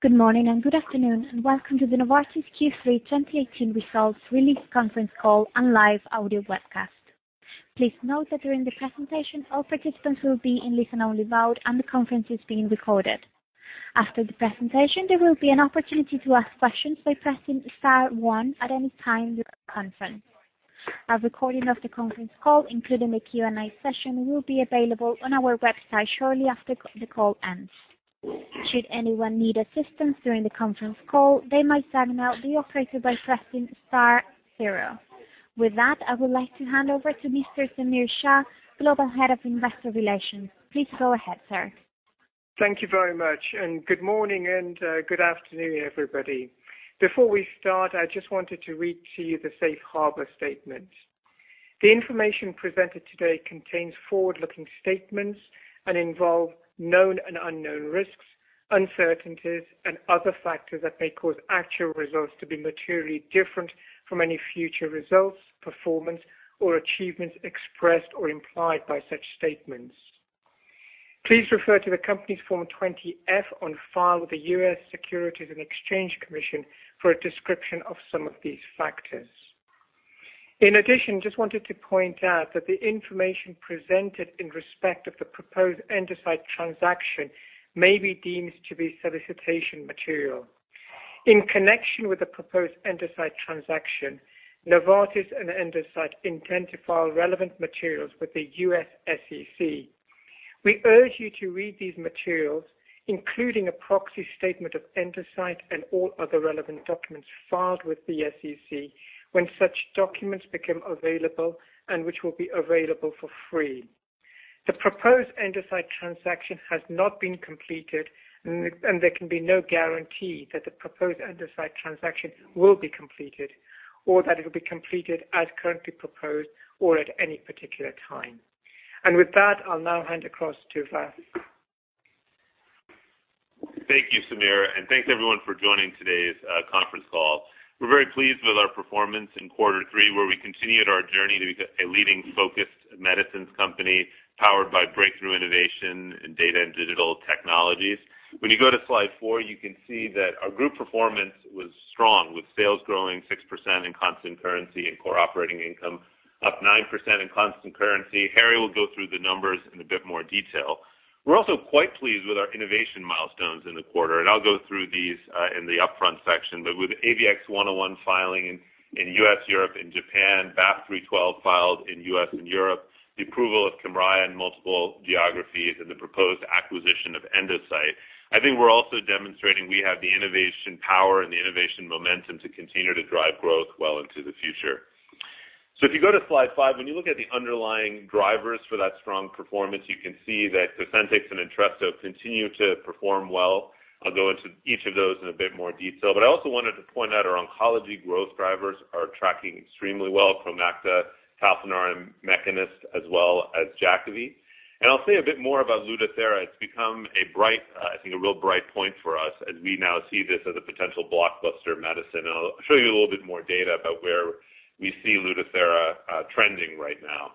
Good morning and good afternoon, welcome to the Novartis Q3 2018 Results Release Conference Call and live audio webcast. Please note that during the presentation, all participants will be in listen-only mode, and the conference is being recorded. After the presentation, there will be an opportunity to ask questions by pressing star one at any time during the conference. A recording of the conference call, including the Q&A session, will be available on our website shortly after the call ends. Should anyone need assistance during the conference call, they might signal the operator by pressing star zero. With that, I would like to hand over to Mr. Samir Shah, Global Head of Investor Relations. Please go ahead, sir. Thank you very much, good morning and good afternoon, everybody. Before we start, I just wanted to read to you the safe harbor statement. The information presented today contains forward-looking statements and involve known and unknown risks, uncertainties, and other factors that may cause actual results to be materially different from any future results, performance, or achievements expressed or implied by such statements. Please refer to the company's Form 20-F on file with the U.S. Securities and Exchange Commission for a description of some of these factors. In addition, just wanted to point out that the information presented in respect of the proposed Endocyte transaction may be deemed to be solicitation material. In connection with the proposed Endocyte transaction, Novartis and Endocyte intend to file relevant materials with the U.S. SEC. We urge you to read these materials, including a proxy statement of Endocyte and all other relevant documents filed with the SEC when such documents become available and which will be available for free. The proposed Endocyte transaction has not been completed and there can be no guarantee that the proposed Endocyte transaction will be completed or that it will be completed as currently proposed or at any particular time. With that, I'll now hand across to Vas. Thank you, Samir, thanks everyone for joining today's conference call. We're very pleased with our performance in quarter three, where we continued our journey to be a leading focused medicines company powered by breakthrough innovation in data and digital technologies. When you go to slide four, you can see that our group performance was strong with sales growing 6% in constant currency and core operating income up 9% in constant currency. Harry will go through the numbers in a bit more detail. I'll go through these in the upfront section. With AVXS-101 filing in U.S., Europe, and Japan, BAF312 filed in U.S. and Europe, the approval of KYMRIAH in multiple geographies, and the proposed acquisition of Endocyte, I think we're also demonstrating we have the innovation power and the innovation momentum to continue to drive growth well into the future. If you go to slide five, when you look at the underlying drivers for that strong performance, you can see that Cosentyx and Entresto continue to perform well. I'll go into each of those in a bit more detail. I also wanted to point out our oncology growth drivers are tracking extremely well. Promacta, Talzenna, and Mekinist, as well as Jakavi. I'll say a bit more about Lutathera. It's become a real bright point for us as we now see this as a potential blockbuster medicine. I'll show you a little bit more data about where we see Lutathera trending right now.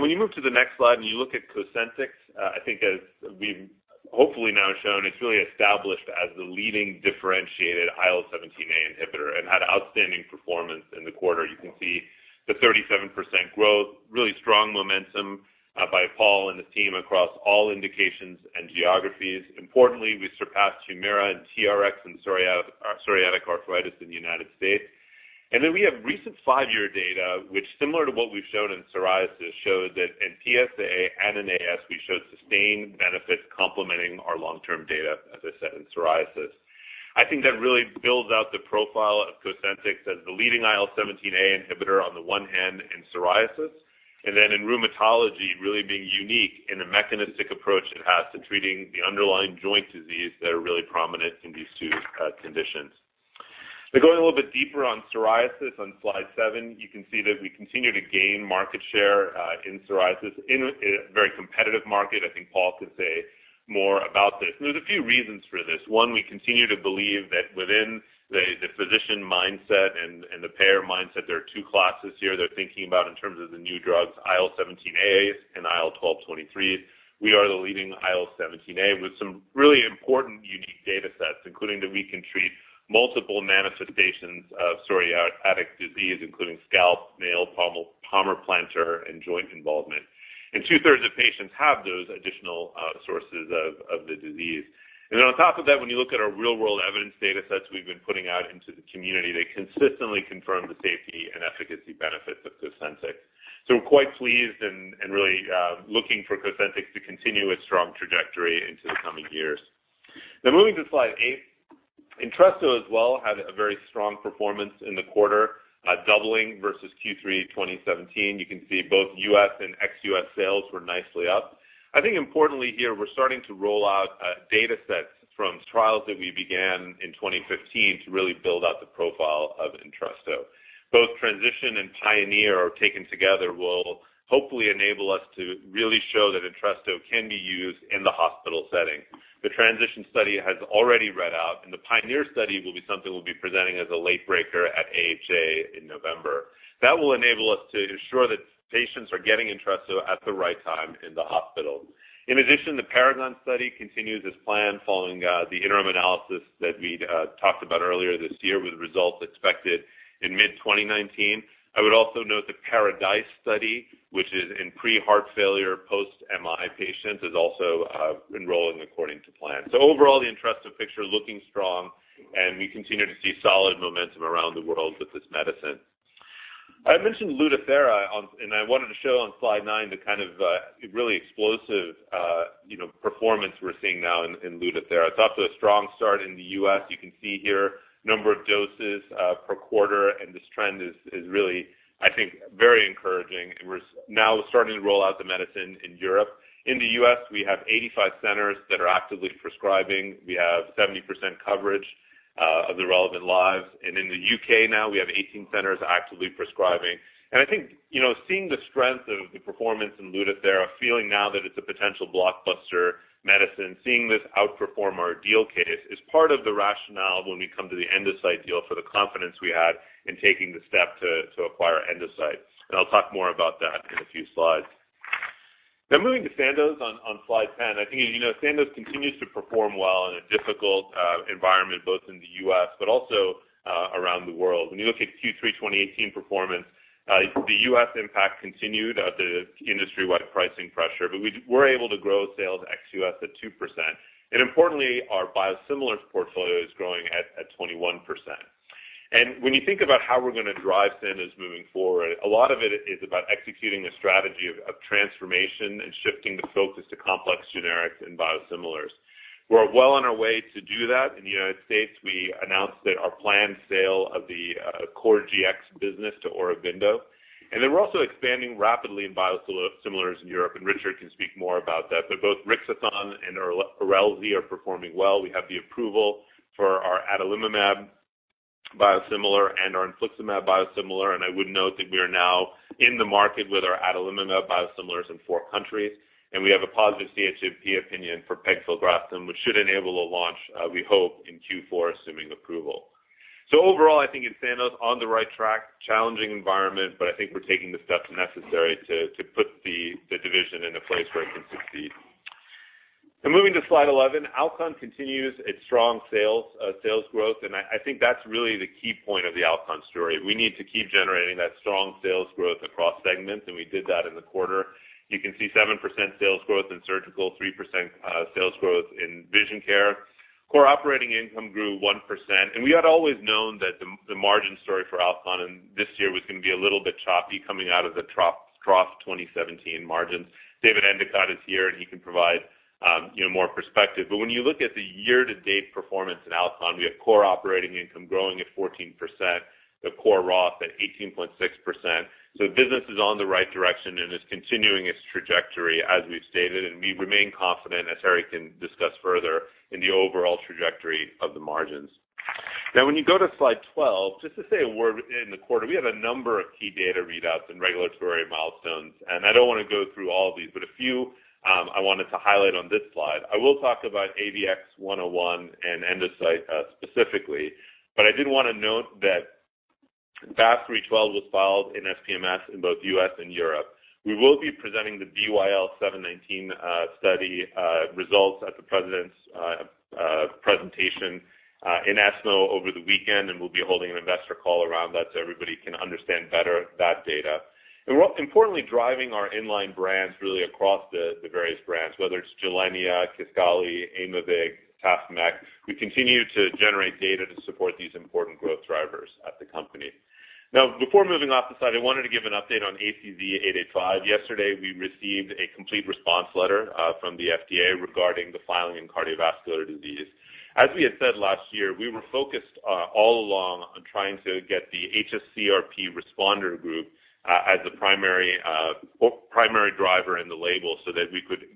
When you move to the next slide and you look at Cosentyx, I think as we've hopefully now shown, it's really established as the leading differentiated IL-17A inhibitor and had outstanding performance in the quarter. You can see the 37% growth, really strong momentum by Paul and the team across all indications and geographies. Importantly, we surpassed HUMIRA and TRx in psoriatic arthritis in the U.S. We have recent 5-year data, which similar to what we've shown in psoriasis, showed that in PsA and in AS we showed sustained benefit complementing our long-term data, as I said, in psoriasis. I think that really builds out the profile of Cosentyx as the leading IL-17A inhibitor on the one hand in psoriasis, and then in rheumatology really being unique in the mechanistic approach it has to treating the underlying joint disease that are really prominent in these 2 conditions. Going a little bit deeper on psoriasis on slide seven, you can see that we continue to gain market share in psoriasis in a very competitive market. I think Paul could say more about this. There's a few reasons for this. One, we continue to believe that within the physician mindset and the payer mindset, there are 2 classes here they're thinking about in terms of the new drugs, IL-17As and IL-12/23s. We are the leading IL-17A with some really important unique data sets, including that we can treat multiple manifestations of psoriatic disease, including scalp, nail, palmoplantar, and joint involvement. Two-thirds of patients have those additional sources of the disease. On top of that, when you look at our real-world evidence data sets we've been putting out into the community, they consistently confirm the safety and efficacy benefits of Cosentyx. We're quite pleased and really looking for Cosentyx to continue its strong trajectory into the coming years. Moving to slide eight. Entresto as well had a very strong performance in the quarter, doubling versus Q3 2017. You can see both U.S. and ex-U.S. sales were nicely up. I think importantly here, we're starting to roll out data sets from trials that we began in 2015 to really build out the profile of Entresto. Both TRANSITION and PIONEER taken together will hopefully enable us to really show that Entresto can be used in the hospital setting. The TRANSITION study has already read out. The PIONEER study will be something we'll be presenting as a late breaker at AHA in November. That will enable us to ensure that patients are getting Entresto at the right time in the hospital. In addition, the PARAGON study continues as planned following the interim analysis that we talked about earlier this year, with results expected in mid-2019. I would also note the PARADISE study, which is in pre-heart failure post-MI patients, is also enrolling according to plan. Overall, the Entresto picture is looking strong, and we continue to see solid momentum around the world with this medicine. I mentioned Lutathera, and I wanted to show on slide nine the kind of really explosive performance we're seeing now in Lutathera. It's off to a strong start in the U.S. You can see here the number of doses per quarter. This trend is really, I think, very encouraging. We're now starting to roll out the medicine in Europe. In the U.S., we have 85 centers that are actively prescribing. We have 70% coverage of the relevant lives. In the U.K. now we have 18 centers actively prescribing. I think seeing the strength of the performance in Lutathera, feeling now that it's a potential blockbuster medicine, seeing this outperform our deal case is part of the rationale when we come to the Endocyte deal for the confidence we had in taking the step to acquire Endocyte. I'll talk more about that in a few slides. Now moving to Sandoz on slide 10. I think Sandoz continues to perform well in a difficult environment, both in the U.S. but also around the world. When you look at Q3 2018 performance, the U.S. impact continued the industry-wide pricing pressure, but we were able to grow sales ex-U.S. at 2%. Importantly, our biosimilars portfolio is growing at 21%. When you think about how we're going to drive Sandoz moving forward, a lot of it is about executing a strategy of transformation and shifting the focus to complex generics and biosimilars. We're well on our way to do that. In the United States, we announced our planned sale of the core GX business to Aurobindo. Then we're also expanding rapidly in biosimilars in Europe, and Richard can speak more about that. Both Rixathon and Erelzi are performing well. We have the approval for our adalimumab biosimilar and our infliximab biosimilar. I would note that we are now in the market with our adalimumab biosimilars in four countries, and we have a positive CHMP opinion for pegfilgrastim, which should enable a launch, we hope, in Q4, assuming approval. Overall, I think Sandoz is on the right track. Challenging environment, but I think we're taking the steps necessary to put the division in a place where it can succeed. Now moving to slide 11. Alcon continues its strong sales growth, and I think that's really the key point of the Alcon story. We need to keep generating that strong sales growth across segments, and we did that in the quarter. You can see 7% sales growth in surgical, 3% sales growth in vision care. Core operating income grew 1%. We had always known that the margin story for Alcon in this year was going to be a little bit choppy coming out of the trough 2017 margins. David Endicott is here, and he can provide more perspective. But when you look at the year-to-date performance in Alcon, we have core operating income growing at 14%, the core ROA at 18.6%. The business is on the right direction and is continuing its trajectory as we've stated, and we remain confident, as Harry can discuss further, in the overall trajectory of the margins. When you go to slide 12, just to say a word in the quarter, we have a number of key data readouts and regulatory milestones, and I don't want to go through all of these, but a few I wanted to highlight on this slide. I will talk about AVXS-101 and Endocyte specifically, but I did want to note that BAF312 was filed in SPMS in both the U.S. and Europe. We will be presenting the BYL719 study results at the president's presentation in ESMO over the weekend, and we'll be holding an investor call around that so everybody can understand better that data. We're importantly driving our in-line brands really across the various brands, whether it's Gilenya, KISQALI, Aimovig, Tafinlar/Mekinist. We continue to generate data to support these important growth drivers at the company. Before moving off the slide, I wanted to give an update on ACZ885. Yesterday, we received a complete response letter from the FDA regarding the filing in cardiovascular disease. We had said last year, we were focused all along on trying to get the hs-CRP responder group as the primary driver in the label so that we could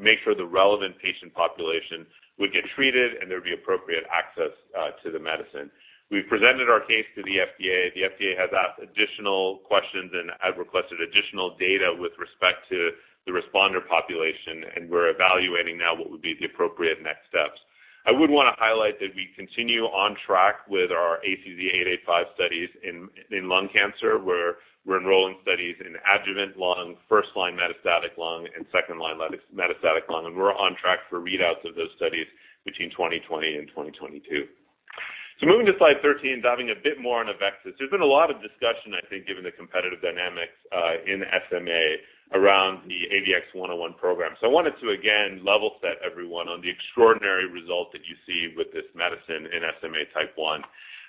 make sure the relevant patient population would get treated and there would be appropriate access to the medicine. We presented our case to the FDA. The FDA has asked additional questions and has requested additional data with respect to the responder population, and we're evaluating now what would be the appropriate next steps. I would want to highlight that we continue on track with our ACZ885 studies in lung cancer, where we're enrolling studies in adjuvant lung, first-line metastatic lung, and second-line metastatic lung. We're on track for readouts of those studies between 2020 and 2022. Moving to slide 13, diving a bit more on AveXis. There's been a lot of discussion given the competitive dynamics in SMA around the AVXS-101 program. I wanted to, again, level set everyone on the extraordinary result that you see with this medicine in SMA type 1.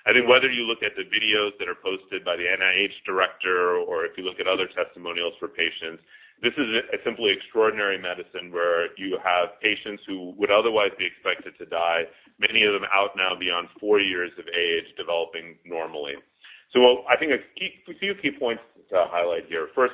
I think whether you look at the videos that are posted by the NIH director or if you look at other testimonials for patients, this is a simply extraordinary medicine where you have patients who would otherwise be expected to die, many of them out now beyond four years of age, developing normally. I think a few key points to highlight here. First,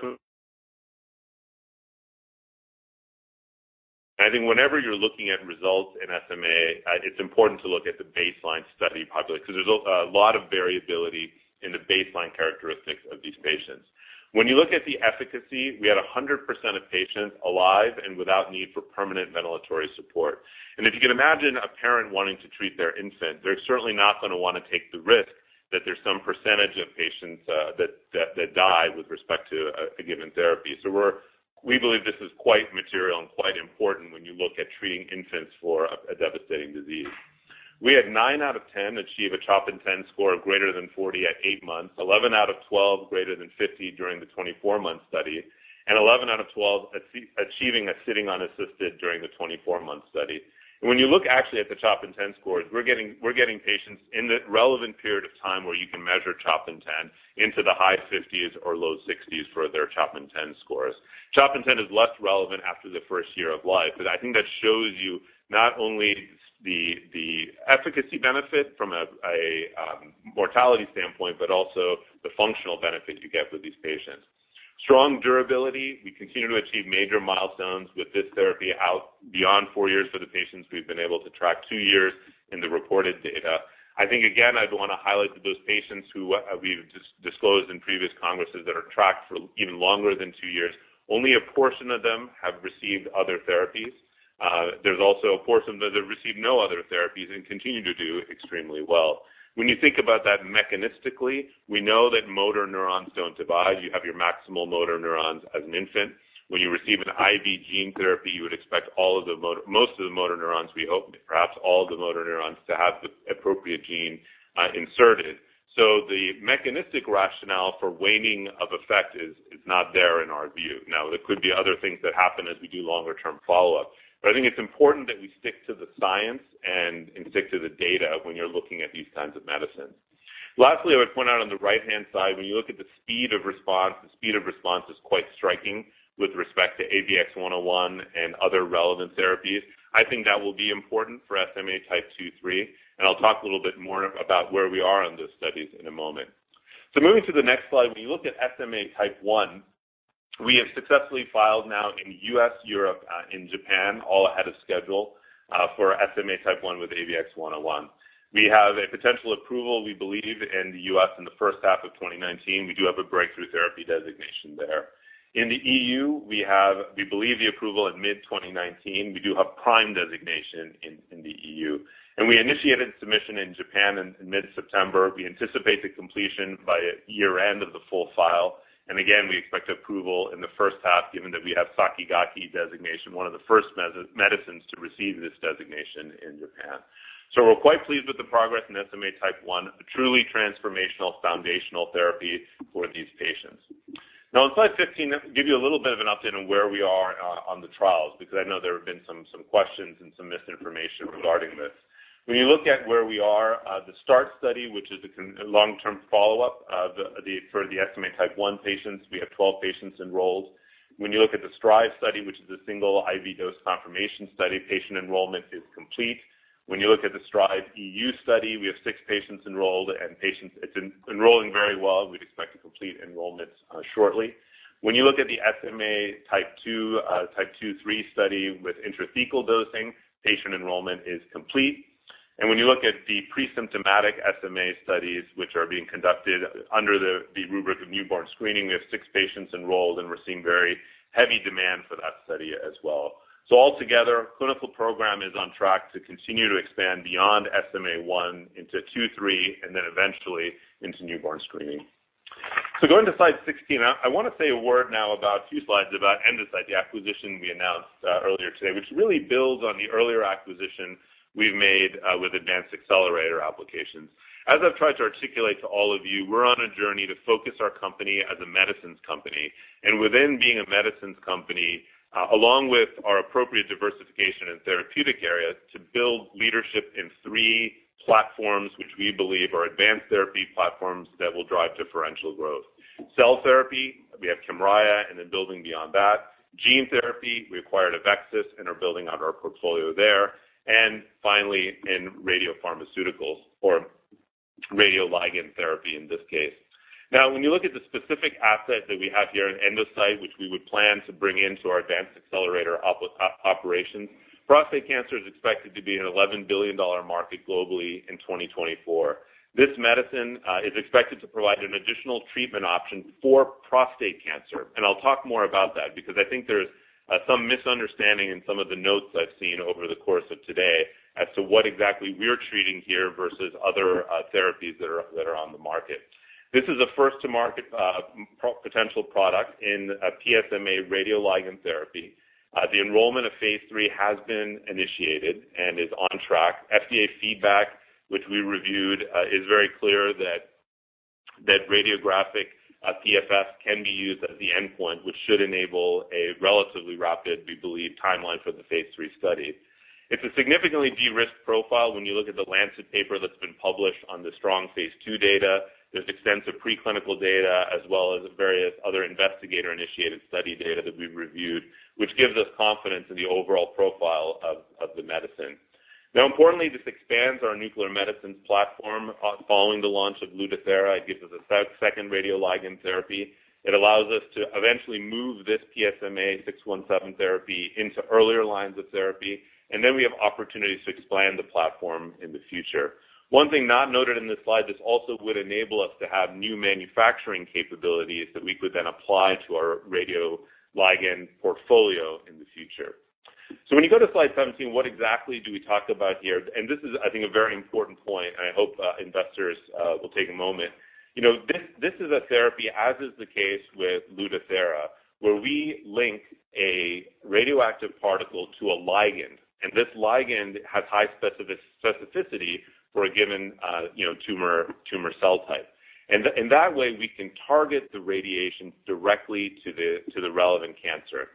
whenever you're looking at results in SMA, it's important to look at the baseline study population because there's a lot of variability in the baseline characteristics of these patients. When you look at the efficacy, we had 100% of patients alive and without need for permanent ventilatory support. If you can imagine a parent wanting to treat their infant, they're certainly not going to want to take the risk that there's some percentage of patients that die with respect to a given therapy. We believe this is quite material and quite important when you look at treating infants for a devastating disease. We had nine out of 10 achieve a CHOP INTEND score of greater than 40 at eight months, 11 out of 12 greater than 50 during the 24-month study, and 11 out of 12 achieving a sitting unassisted during the 24-month study. When you look actually at the CHOP INTEND scores, we're getting patients in the relevant period of time where you can measure CHOP INTEND into the high 50s or low 60s for their CHOP INTEND scores. CHOP INTEND is less relevant after the first year of life, I think that shows you not only the efficacy benefit from a mortality standpoint, but also the functional benefit you get with these patients. Strong durability. We continue to achieve major milestones with this therapy out beyond four years for the patients. We've been able to track two years in the reported data. I think, again, I'd want to highlight that those patients who we've disclosed in previous congresses that are tracked for even longer than two years, only a portion of them have received other therapies. There's also a portion that have received no other therapies and continue to do extremely well. When you think about that mechanistically, we know that motor neurons don't divide. You have your maximal motor neurons as an infant. When you receive an IV gene therapy, you would expect most of the motor neurons, we hope perhaps all the motor neurons, to have the appropriate gene inserted. The mechanistic rationale for waning of effect is not there in our view. There could be other things that happen as we do longer-term follow-up, I think it's important that we stick to the science and stick to the data when you're looking at these kinds of medicines. Lastly, I would point out on the right-hand side, when you look at the speed of response, the speed of response is quite striking with respect to AVXS-101 and other relevant therapies. I think that will be important for SMA type 2, 3, I'll talk a little bit more about where we are on those studies in a moment. Moving to the next slide. When you look at SMA Type 1, we have successfully filed now in U.S., Europe, and Japan, all ahead of schedule, for SMA Type 1 with AVXS-101. We have a potential approval, we believe, in the U.S. in the first half of 2019. We do have a breakthrough therapy designation there. In the EU, we believe the approval in mid-2019. We do have PRIME designation in the EU, we initiated submission in Japan in mid-September. We anticipate the completion by year-end of the full file. Again, we expect approval in the first half given that we have Sakigake designation, one of the first medicines to receive this designation in Japan. We're quite pleased with the progress in SMA Type 1, a truly transformational foundational therapy for these patients. On slide 15, give you a little bit of an update on where we are on the trials, because I know there have been some questions and some misinformation regarding this. When you look at where we are, the START study, which is the long-term follow-up for the SMA Type 1 patients, we have 12 patients enrolled. When you look at the STR1VE study, which is a single IV dose confirmation study, patient enrollment is complete. When you look at the STR1VE EU study, we have six patients enrolled, and it's enrolling very well. We'd expect to complete enrollment shortly. When you look at the SMA Type 2/3 study with intrathecal dosing, patient enrollment is complete. When you look at the presymptomatic SMA studies, which are being conducted under the rubric of newborn screening, we have six patients enrolled, and we're seeing very heavy demand for that study as well. Altogether, clinical program is on track to continue to expand beyond SMA 1 into 2/3, and then eventually into newborn screening. Going to slide 16, I want to say a word now about, two slides about Endocyte, the acquisition we announced earlier today, which really builds on the earlier acquisition we've made with Advanced Accelerator Applications. As I've tried to articulate to all of you, we're on a journey to focus our company as a medicines company, and within being a medicines company, along with our appropriate diversification in therapeutic areas, to build leadership in three platforms, which we believe are advanced therapy platforms that will drive differential growth. Cell therapy, we have KYMRIAH, and then building beyond that. Gene therapy, we acquired AveXis and are building out our portfolio there. Finally, in radiopharmaceuticals or radioligand therapy in this case. Now, when you look at the specific asset that we have here in Endocyte, which we would plan to bring into our Advanced Accelerator operations, prostate cancer is expected to be an $11 billion market globally in 2024. This medicine is expected to provide an additional treatment option for prostate cancer. I'll talk more about that because I think there's some misunderstanding in some of the notes I've seen over the course of today as to what exactly we're treating here versus other therapies that are on the market. This is a first-to-market potential product in PSMA radioligand therapy. The enrollment of phase III has been initiated and is on track. FDA feedback, which we reviewed, is very clear that radiographic PFS can be used as the endpoint, which should enable a relatively rapid, we believe, timeline for the phase III study. It's a significantly de-risked profile when you look at The Lancet paper that's been published on the strong phase II data. There's extensive preclinical data as well as various other investigator-initiated study data that we've reviewed, which gives us confidence in the overall profile of the medicine. Now importantly, this expands our nuclear medicines platform following the launch of Lutathera. It gives us a second radioligand therapy. It allows us to eventually move this PSMA-617 therapy into earlier lines of therapy, and then we have opportunities to expand the platform in the future. One thing not noted in this slide, this also would enable us to have new manufacturing capabilities that we could then apply to our radioligand portfolio in the future. When you go to slide 17, what exactly do we talk about here? This is, I think, a very important point, and I hope investors will take a moment. This is a therapy, as is the case with Lutathera, where we link a radioactive particle to a ligand, and this ligand has high specificity for a given tumor cell type. In that way, we can target the radiation directly to the relevant cancer.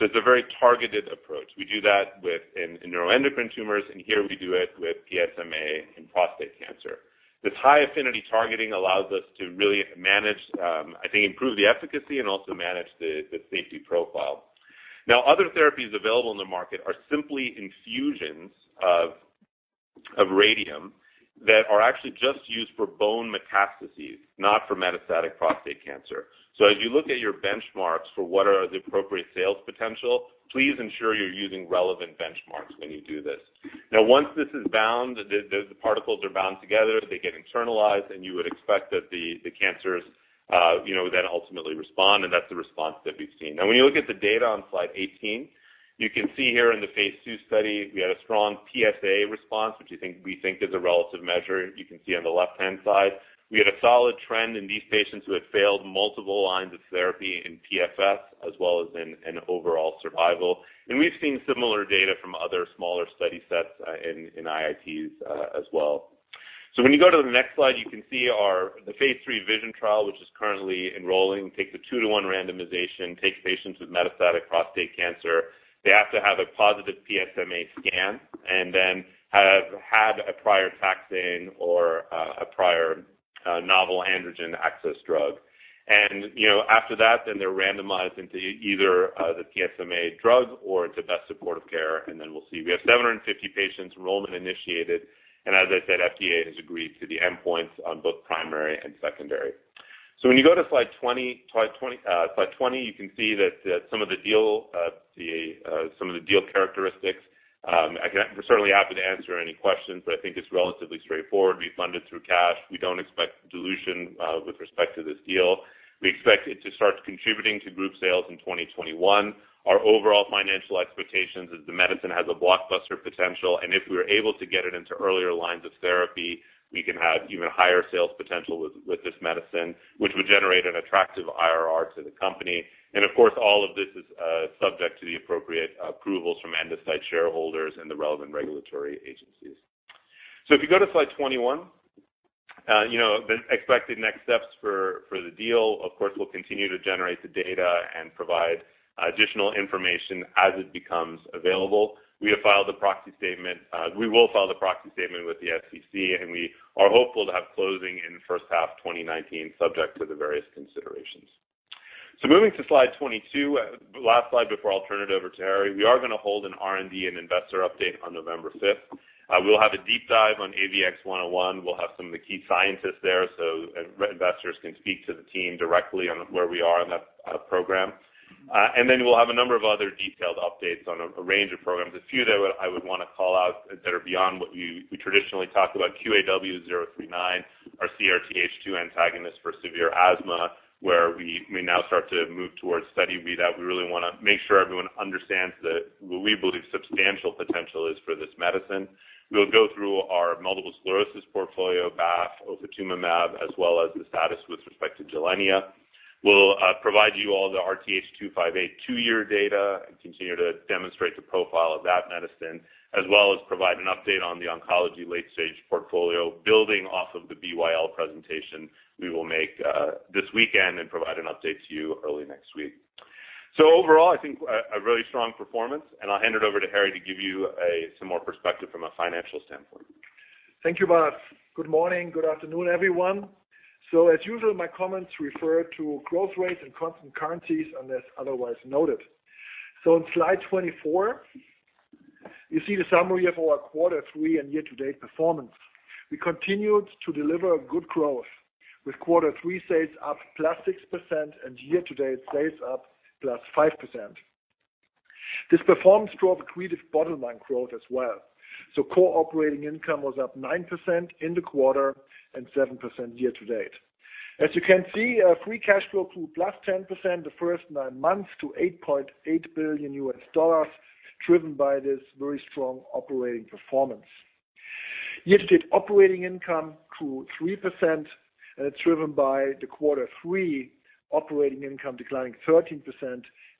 It's a very targeted approach. We do that with neuroendocrine tumors, and here we do it with PSMA in prostate cancer. This high-affinity targeting allows us to really, I think, improve the efficacy and also manage the safety profile. Other therapies available in the market are simply infusions of radium that are actually just used for bone metastases, not for metastatic prostate cancer. As you look at your benchmarks for what are the appropriate sales potential, please ensure you're using relevant benchmarks when you do this. Once this is bound, the particles are bound together, they get internalized, and you would expect that the cancers then ultimately respond, and that's the response that we've seen. When you look at the data on slide 18, you can see here in the phase II study, we had a strong PSA response, which we think is a relative measure. You can see on the left-hand side. We had a solid trend in these patients who had failed multiple lines of therapy in PFS, as well as in overall survival. We've seen similar data from other smaller study sets in IITs as well. When you go to the next slide, you can see the phase III VISION trial, which is currently enrolling, takes a 2-to-1 randomization, takes patients with metastatic prostate cancer. They have to have a positive PSMA scan and then have had a prior taxane or a prior novel androgen axis drug. After that, then they're randomized into either the PSMA drug or to best supportive care, and then we'll see. We have 750 patients enrollment initiated, and as I said, FDA has agreed to the endpoints on both primary and secondary. When you go to slide 20, you can see some of the deal characteristics. I'm certainly happy to answer any questions, but I think it's relatively straightforward. We funded through cash. We don't expect dilution with respect to this deal. We expect it to start contributing to group sales in 2021. Our overall financial expectations is the medicine has a blockbuster potential, and if we are able to get it into earlier lines of therapy, we can have even higher sales potential with this medicine, which would generate an attractive IRR to the company. Of course, all of this is subject to the appropriate approvals from Endocyte shareholders and the relevant regulatory agencies. If you go to slide 21, the expected next steps for the deal, of course, we'll continue to generate the data and provide additional information as it becomes available. We will file the proxy statement with the SEC, and we are hopeful to have closing in the first half of 2019, subject to the various considerations. Moving to slide 22, last slide before I'll turn it over to Harry. We are going to hold an R&D and investor update on November 5th. We'll have a deep dive on AVXS-101. We'll have some of the key scientists there so investors can speak to the team directly on where we are in that program. Then we'll have a number of other detailed updates on a range of programs. A few that I would want to call out that are beyond what we traditionally talk about, QAW039, our CRTH2 antagonist for severe asthma, where we may now start to move towards Study V, that we really want to make sure everyone understands that what we believe substantial potential is for this medicine. We'll go through our multiple sclerosis portfolio, BAF, ofatumumab, as well as the status with respect to Gilenya. We'll provide you all the RTH258 two-year data and continue to demonstrate the profile of that medicine, as well as provide an update on the oncology late-stage portfolio, building off of the BYL presentation we will make this weekend and provide an update to you early next week. Overall, I think a really strong performance, and I'll hand it over to Harry to give you some more perspective from a financial standpoint. Thank you, Vas. Good morning. Good afternoon, everyone. As usual, my comments refer to growth rates and constant currencies, unless otherwise noted. On slide 24, you see the summary of our quarter three and year-to-date performance. We continued to deliver good growth, with quarter three sales up +6% and year-to-date sales up +5%. This performance drove accretive bottom-line growth as well. Core operating income was up 9% in the quarter and 7% year-to-date. As you can see, free cash flow grew +10% the first nine months to $8.8 billion, driven by this very strong operating performance. Year-to-date operating income grew 3%, driven by the quarter three operating income declining 13%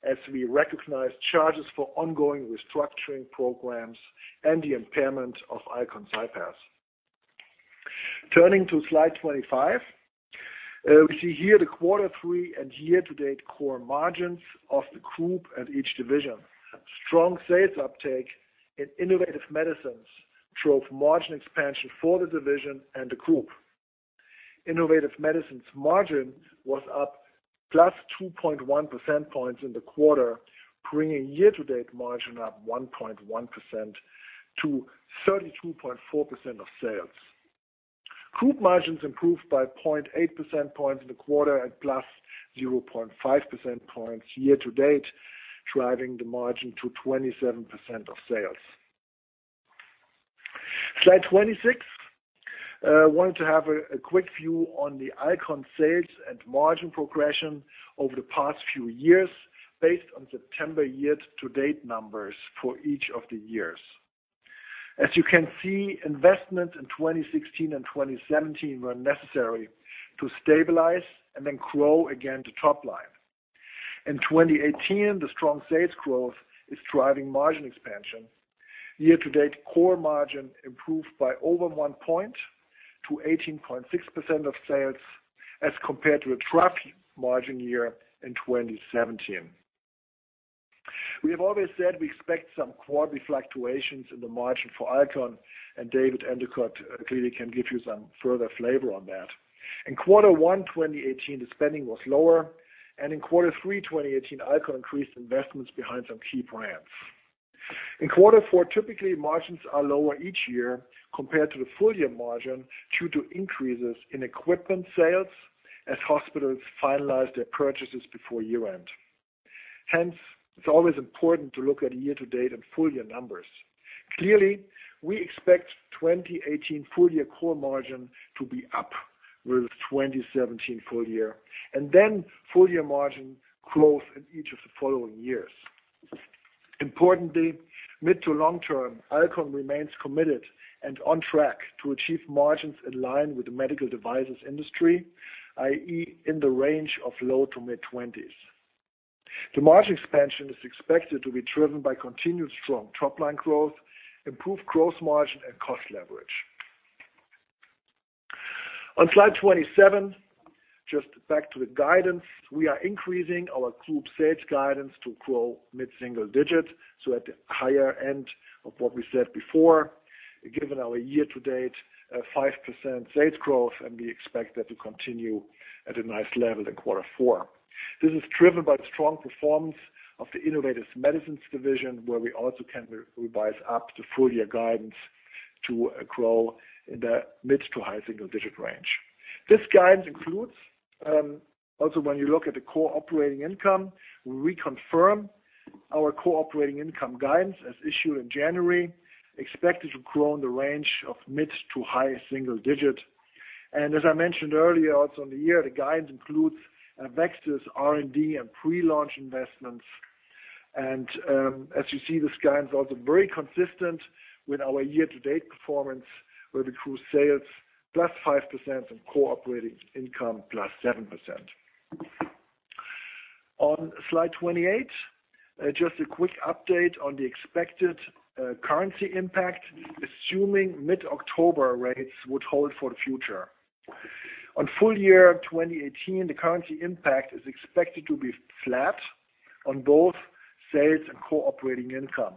as we recognized charges for ongoing restructuring programs and the impairment of Alcon CyPass. Turning to slide 25, we see here the quarter three and year-to-date core margins of the group and each division. Strong sales uptake in Innovative Medicines drove margin expansion for the division and the group. Innovative Medicines margin was up +2.1% points in the quarter, bringing year-to-date margin up 1.1% to 32.4% of sales. Group margins improved by 0.8% points in the quarter at +0.5% points year-to-date, driving the margin to 27% of sales. Slide 26. Wanted to have a quick view on the Alcon sales and margin progression over the past few years based on September year-to-date numbers for each of the years. As you can see, investments in 2016 and 2017 were necessary to stabilize and then grow again the top line. In 2018, the strong sales growth is driving margin expansion. Year-to-date core margin improved by over one point to 18.6% of sales as compared to a trough margin year in 2017. We have always said we expect some quarterly fluctuations in the margin for Alcon and David Endicott clearly can give you some further flavor on that. In quarter one 2018, the spending was lower, and in quarter three 2018, Alcon increased investments behind some key brands. In quarter four, typically, margins are lower each year compared to the full-year margin due to increases in equipment sales as hospitals finalize their purchases before year-end. Hence, it's always important to look at year-to-date and full-year numbers. Clearly, we expect 2018 full-year core margin to be up with 2017 full-year, and then full-year margin growth in each of the following years. Importantly, mid to long term, Alcon remains committed and on track to achieve margins in line with the medical devices industry, i.e., in the range of low to mid-20s. The margin expansion is expected to be driven by continued strong top-line growth, improved gross margin, and cost leverage. On slide 27, just back to the guidance. We are increasing our group sales guidance to grow mid-single digits, so at the higher end of what we said before, given our year-to-date 5% sales growth, and we expect that to continue at a nice level in quarter four. This is driven by the strong performance of the Innovative Medicines division, where we also can revise up the full-year guidance to grow in the mid to high single-digit range. This guidance includes, also when you look at the core operating income, we reconfirm our core operating income guidance as issued in January, expected to grow in the range of mid to high single-digit. As I mentioned earlier, also on the year, the guidance includes AveXis' R&D and pre-launch investments. As you see, this guidance is also very consistent with our year-to-date performance, where we grew sales plus 5% and core operating income plus 7%. On slide 28, just a quick update on the expected currency impact, assuming mid-October rates would hold for the future. On full-year 2018, the currency impact is expected to be flat on both sales and core operating income.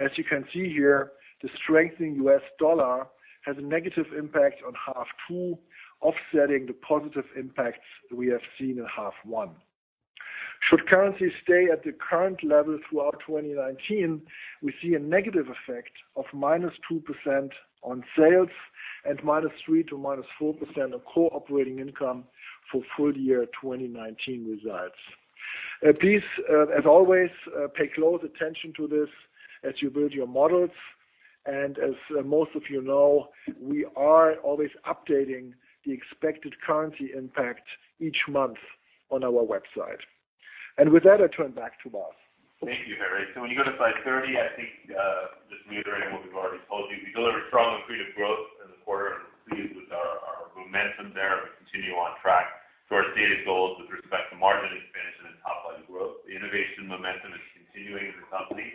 As you can see here, the strengthening U.S. dollar has a negative impact on half two, offsetting the positive impacts we have seen in half one. Should currency stay at the current level throughout 2019, we see a negative effect of -2% on sales and -3% to -4% of core operating income for full-year 2019 results. Please, as always, pay close attention to this as you build your models. As most of you know, we are always updating the expected currency impact each month on our website. With that, I turn back to Vas. Thank you, Harry. When you go to slide 30, I think just reiterating what we've already told you, we delivered strong and accretive growth in the quarter and pleased with our momentum there. We continue on track to our stated goals with respect to margin expansion and top-line growth. The innovation momentum is continuing for the company.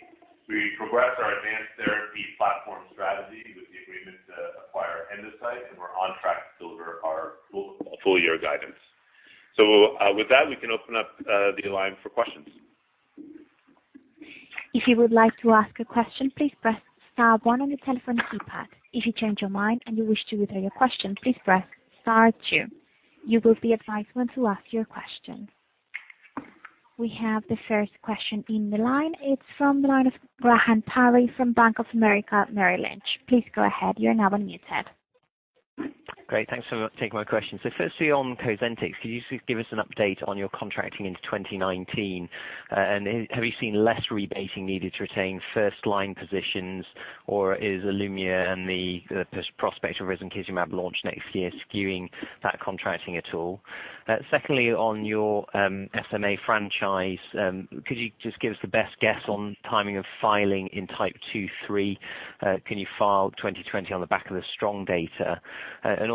We progress our advanced therapy platform strategy with the agreement to acquire Endocyte, and we're on track to deliver our full-year guidance. With that, we can open up the line for questions. If you would like to ask a question, please press star 1 on your telephone keypad. If you change your mind and you wish to withdraw your question, please press star 2. You will be advised when to ask your question. We have the first question in the line. It's from the line of Graham Parry from Bank of America Merrill Lynch. Please go ahead. You're now unmuted. Great. Thanks for taking my question. Firstly, on Cosentyx, could you just give us an update on your contracting into 2019? Have you seen less rebating needed to retain first-line positions, or is ILUMYA and the prospect of risankizumab launch next year skewing that contracting at all? Secondly, on your SMA franchise, could you just give us the best guess on timing of filing in Type 2/3? Can you file 2020 on the back of the strong data?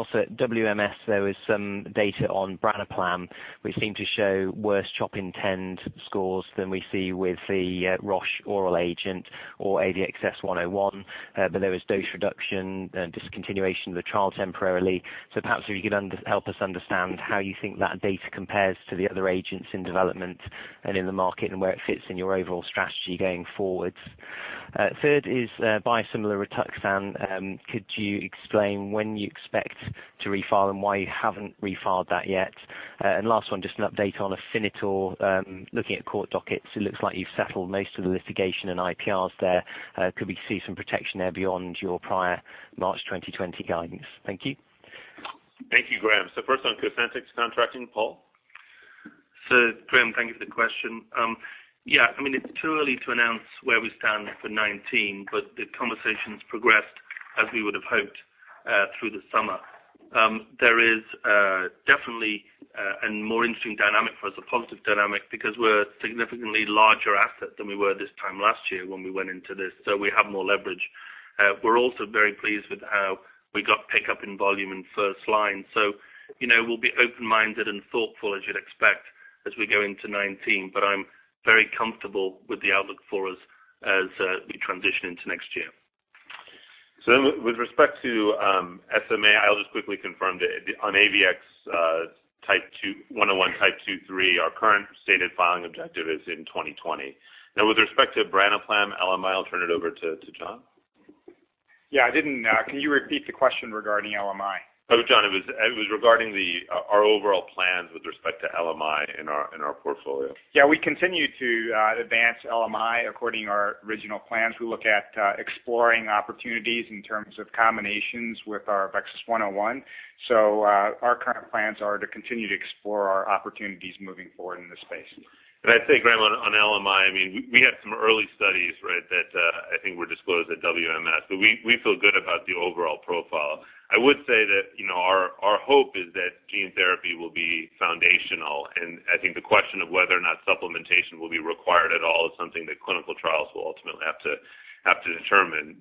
Also at WMS, there was some data on branaplam, which seemed to show worse CHOP INTEND scores than we see with the Roche oral agent or AVXS-101. There was dose reduction and discontinuation of the trial temporarily. Perhaps if you could help us understand how you think that data compares to the other agents in development and in the market and where it fits in your overall strategy going forward. Third is biosimilar RITUXAN. Could you explain when you expect to refile and why you haven't refiled that yet? Last one, just an update on Afinitor. Looking at court dockets, it looks like you've settled most of the litigation and IPRs there. Could we see some protection there beyond your prior March 2020 guidance? Thank you. Thank you, Graham. First on Cosentyx contracting, Paul? Graham, thank you for the question. Yeah, it's too early to announce where we stand for 2019, but the conversation's progressed as we would have hoped through the summer. There is definitely a more interesting dynamic for us, a positive dynamic, because we're a significantly larger asset than we were this time last year when we went into this, so we have more leverage. We're also very pleased with how we got pickup in volume in first line. We'll be open-minded and thoughtful, as you'd expect, as we go into 2019. I'm very comfortable with the outlook for us as we transition into next year. With respect to SMA, I'll just quickly confirm it. On AVXS type 101, type 23, our current stated filing objective is in 2020. With respect to branaplam LMI, I'll turn it over to John. Yeah. Can you repeat the question regarding LMI070? John, it was regarding our overall plans with respect to LMI in our portfolio. We continue to advance LMI according to our original plans. We look at exploring opportunities in terms of combinations with our AVXS-101. Our current plans are to continue to explore our opportunities moving forward in this space. I'd say, Graham, on LMI, we had some early studies, that I think were disclosed at WMS. We feel good about the overall profile. I would say that our hope is that gene therapy will be foundational, I think the question of whether or not supplementation will be required at all is something that clinical trials will ultimately have to determine.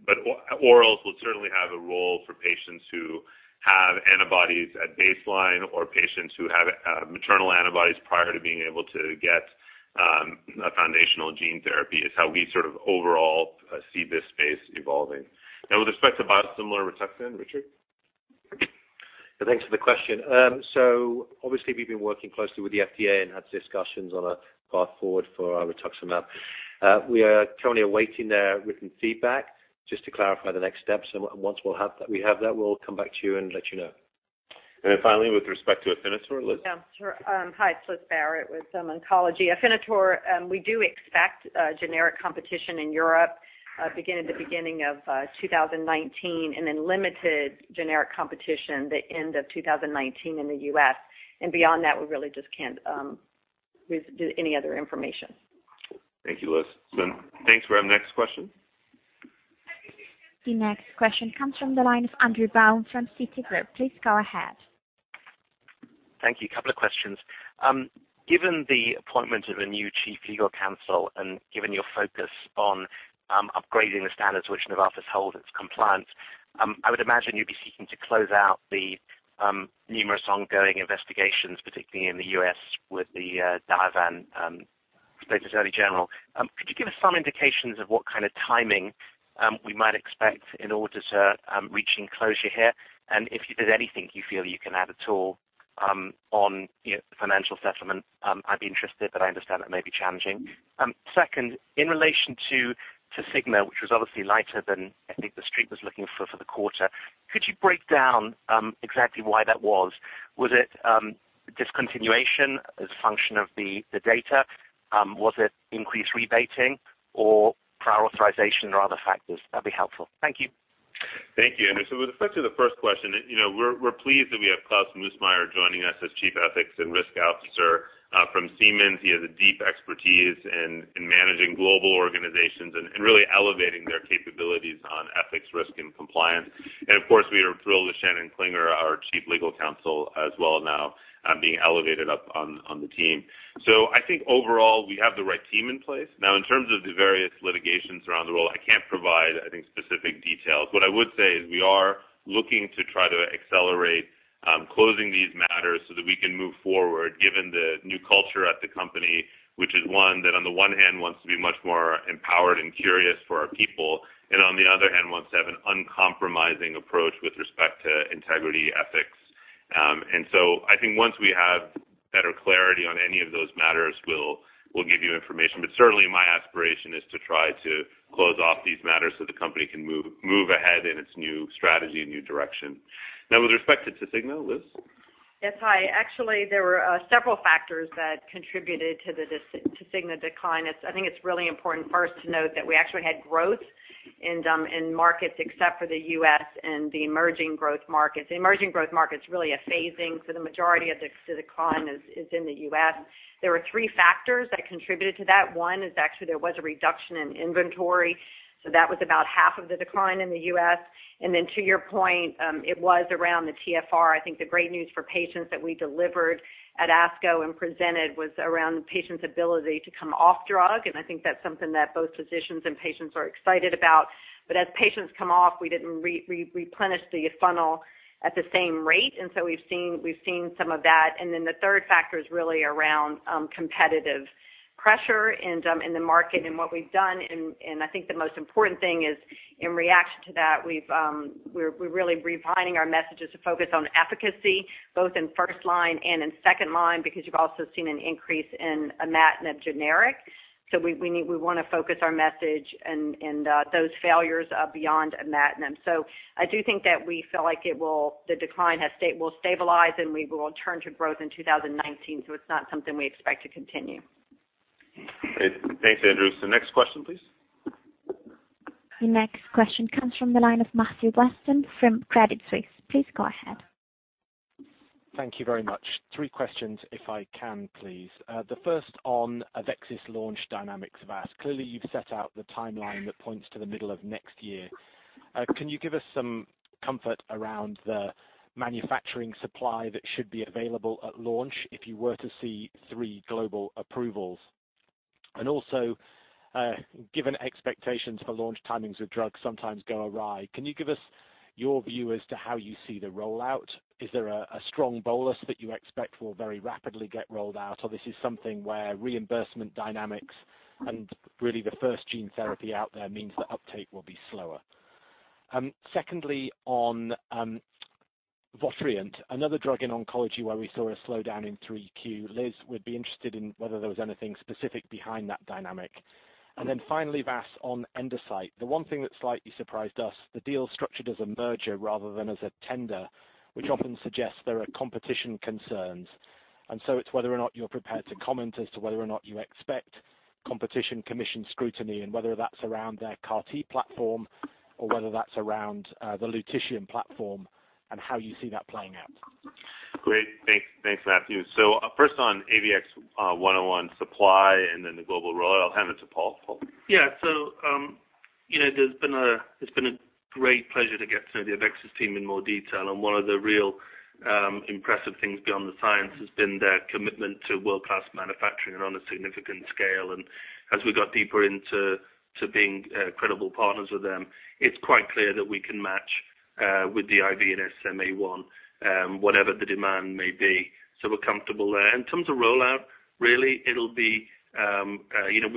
Orals will certainly have a role for patients who have antibodies at baseline or patients who have maternal antibodies prior to being able to get a foundational gene therapy, is how we sort of overall see this space evolving. With respect to biosimilar RITUXAN, Richard? Thanks for the question. Obviously, we've been working closely with the FDA and had discussions on a path forward for rituximab. We are currently awaiting their written feedback just to clarify the next steps. Once we have that, we'll come back to you and let you know. Finally, with respect to Afinitor, Liz? Yeah, sure. Hi, it's Liz Barrett with oncology. Afinitor, we do expect generic competition in Europe beginning of 2019, then limited generic competition the end of 2019 in the U.S. Beyond that, we really just can't give any other information. Thank you, Liz. Thanks, Graham. Next question? The next question comes from the line of Andrew Baum from Citigroup. Please go ahead. Thank you. A couple of questions. Given the appointment of a new Chief Legal Counsel and given your focus on upgrading the standards which Novartis holds its compliance, I would imagine you'd be seeking to close out the numerous ongoing investigations, particularly in the U.S. with the Diovan Attorney General. Could you give us some indications of what kind of timing we might expect in order to reaching closure here? If there's anything you feel you can add at all on financial settlement, I'd be interested, I understand that may be challenging. Second, in relation to Tecfidera, which was obviously lighter than I think the Street was looking for the quarter, could you break down exactly why that was? Was it discontinuation as a function of the data? Was it increased rebating or prior authorization or other factors? That'd be helpful. Thank you. Thank you, Andrew Baum. With respect to the first question, we're pleased that we have Klaus Moosmayer joining us as Chief Ethics and Risk Officer from Siemens. He has a deep expertise in managing global organizations and really elevating their capabilities on ethics, risk and compliance. Of course, we are thrilled with Shannon Klinger, our Chief Legal Counsel as well now being elevated up on the team. I think overall we have the right team in place. In terms of the various litigations around the world, I can't provide, I think, specific details. What I would say is we are looking to try to accelerate closing these matters so that we can move forward given the new culture at the company, which is one that on the one hand wants to be much more empowered and curious for our people, and on the other hand wants to have an uncompromising approach with respect to integrity ethics. I think once we have better clarity on any of those matters, we'll give you information. Certainly my aspiration is to try to close off these matters so the company can move ahead in its new strategy and new direction. With respect to Tecfidera, Liz? Yes. Hi. Actually, there were several factors that contributed to the Tecfidera decline. I think it's really important first to note that we actually had growth in markets except for the U.S. and the emerging growth markets. The emerging growth market's really a phasing, the majority of the decline is in the U.S. There were three factors that contributed to that. One is actually there was a reduction in inventory, that was about half of the decline in the U.S. To your point, it was around the TFR. I think the great news for patients that we delivered at ASCO and presented was around the patient's ability to come off drug, and I think that's something that both physicians and patients are excited about. As patients come off, we didn't replenish the funnel at the same rate, we've seen some of that. The third factor is really around competitive pressure in the market and what we've done. I think the most important thing is in reaction to that, we're really refining our messages to focus on efficacy both in first line and in second line, because you've also seen an increase in imatinib generic. We want to focus our message and those failures beyond imatinib. I do think that we feel like the decline will stabilize, and we will return to growth in 2019. It's not something we expect to continue. Great. Thanks, Andrew. Next question, please. The next question comes from the line of Matthew Weston from Credit Suisse. Please go ahead. Thank you very much. Three questions if I can, please. The first on AveXis launch dynamics, Vas. Clearly, you've set out the timeline that points to the middle of next year. Can you give us some comfort around the manufacturing supply that should be available at launch if you were to see three global approvals? Also, given expectations for launch timings of drugs sometimes go awry, can you give us your view as to how you see the rollout? Is there a strong bolus that you expect will very rapidly get rolled out, or this is something where reimbursement dynamics and really the first gene therapy out there means that uptake will be slower? Secondly, on VOTRIENT, another drug in oncology where we saw a slowdown in 3Q. Liz, we'd be interested in whether there was anything specific behind that dynamic. Finally, Vas, on Endocyte. The one thing that slightly surprised us, the deal structured as a merger rather than as a tender, which often suggests there are competition concerns. It's whether or not you're prepared to comment as to whether or not you expect competition commission scrutiny and whether that's around their CAR T platform or whether that's around the lutetium platform and how you see that playing out. Great. Thanks, Matthew. First on AVXS-101 supply and then the global rollout. I'll hand it to Paul. Paul? Yeah. There's been a great pleasure to get to know the AveXis team in more detail, and one of the real impressive things beyond the science has been their commitment to world-class manufacturing and on a significant scale. As we got deeper into being credible partners with them, it's quite clear that we can match with the IV and SMA Type 1, whatever the demand may be. We're comfortable there. In terms of rollout, really, we've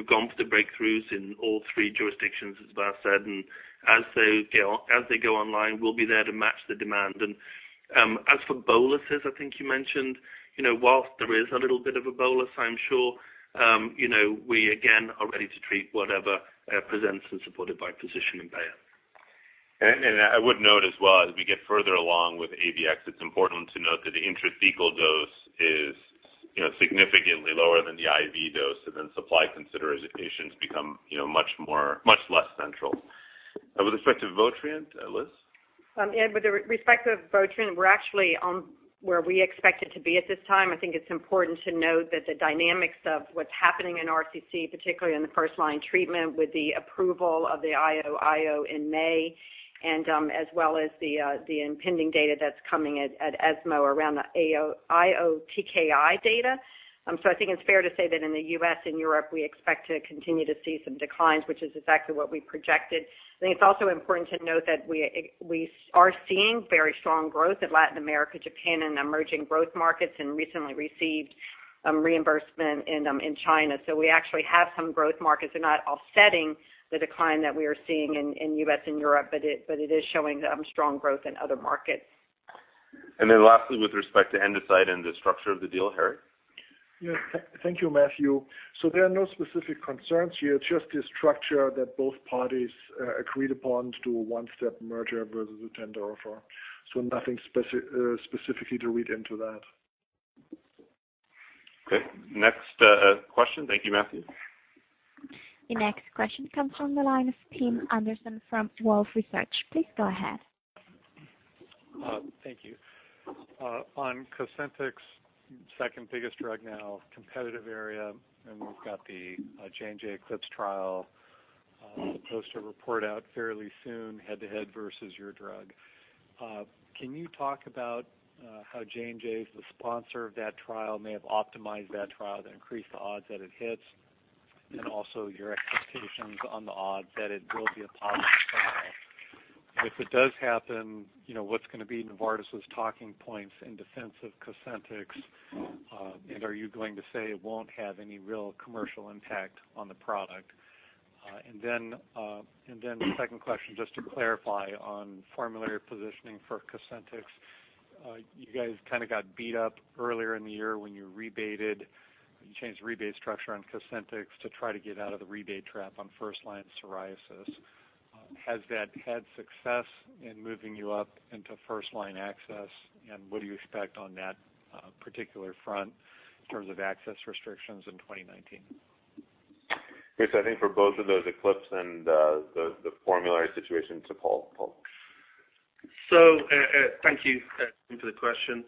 gone for the breakthroughs in all three jurisdictions, as Vas said, and as they go online, we'll be there to match the demand. As for boluses, I think you mentioned, whilst there is a little bit of a bolus, I'm sure, we again are ready to treat whatever presents and supported by positioning buyer. I would note as well, as we get further along with AVX, it's important to note that the intrathecal dose is significantly lower than the IV dose, and then supply considerations become much less central. With respect to VOTRIENT, Liz? With the respect of VOTRIENT, we're actually on where we expect it to be at this time. I think it's important to note that the dynamics of what's happening in RCC, particularly in the first-line treatment with the approval of the IOIO in May, and as well as the impending data that's coming at ESMO around the IO TKI data. I think it's fair to say that in the U.S. and Europe, we expect to continue to see some declines, which is exactly what we projected. I think it's also important to note that we are seeing very strong growth in Latin America, Japan, and emerging growth markets, and recently received reimbursement in China. We actually have some growth markets. They're not offsetting the decline that we are seeing in U.S. and Europe, but it is showing strong growth in other markets. Lastly, with respect to Endocyte and the structure of the deal, Harry? Yeah. Thank you, Matthew. There are no specific concerns here, just a structure that both parties agreed upon to do a one-step merger versus a tender offer. Nothing specifically to read into that. Next question. Thank you, Matthew. The next question comes from the line of Tim Anderson from Wolfe Research. Please go ahead. Thank you. On Cosentyx, second biggest drug now, competitive area. We've got the J&J ECLIPSE trial poster report out fairly soon, head-to-head versus your drug. Can you talk about how J&J as the sponsor of that trial may have optimized that trial to increase the odds that it hits? Also your expectations on the odds that it will be a positive trial? If it does happen, what's going to be Novartis' talking points in defense of Cosentyx. Are you going to say it won't have any real commercial impact on the product? The second question, just to clarify on formulary positioning for Cosentyx. You guys kind of got beat up earlier in the year when you rebated, you changed the rebate structure on Cosentyx to try to get out of the rebate trap on first-line psoriasis. Has that had success in moving you up into first-line access. What do you expect on that particular front in terms of access restrictions in 2019? Yes, I think for both of those ECLIPSE and the formulary situation, to Paul. Paul. Thank you for the question.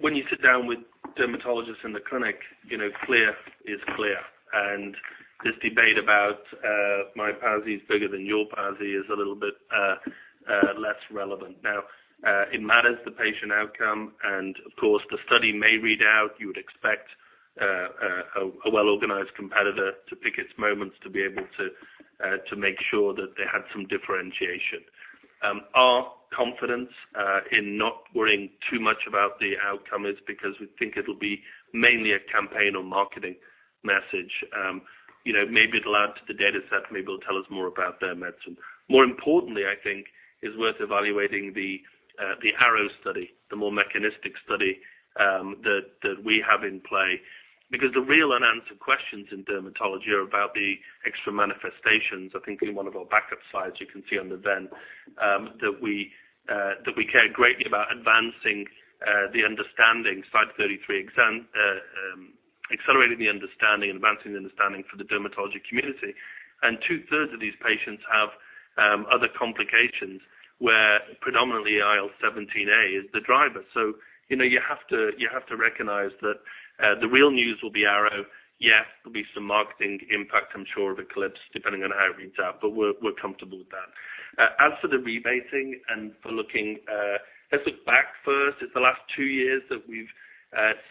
When you sit down with dermatologists in the clinic, clear is clear, and this debate about my PASI is bigger than your PASI is a little bit less relevant. Now, it matters the patient outcome, and of course, the study may read out, you would expect a well-organized competitor to pick its moments to be able to make sure that they had some differentiation. Our confidence in not worrying too much about the outcome is because we think it'll be mainly a campaign or marketing message. Maybe it'll add to the dataset, maybe it'll tell us more about their medicine. More importantly, I think is worth evaluating the ARROW study, the more mechanistic study that we have in play, because the real unanswered questions in dermatology are about the extra manifestations. I think in one of our backup slides, you can see on the Venn that we care greatly about advancing the understanding. Slide 33. Accelerating the understanding, advancing the understanding for the dermatology community. Two-thirds of these patients have other complications where predominantly IL-17A is the driver. You have to recognize that the real news will be ARROW. Yes, there'll be some marketing impact, I'm sure, of ECLIPSE, depending on how it reads out, but we're comfortable with that. As for the rebating and for looking, let's look back first. It's the last two years that we've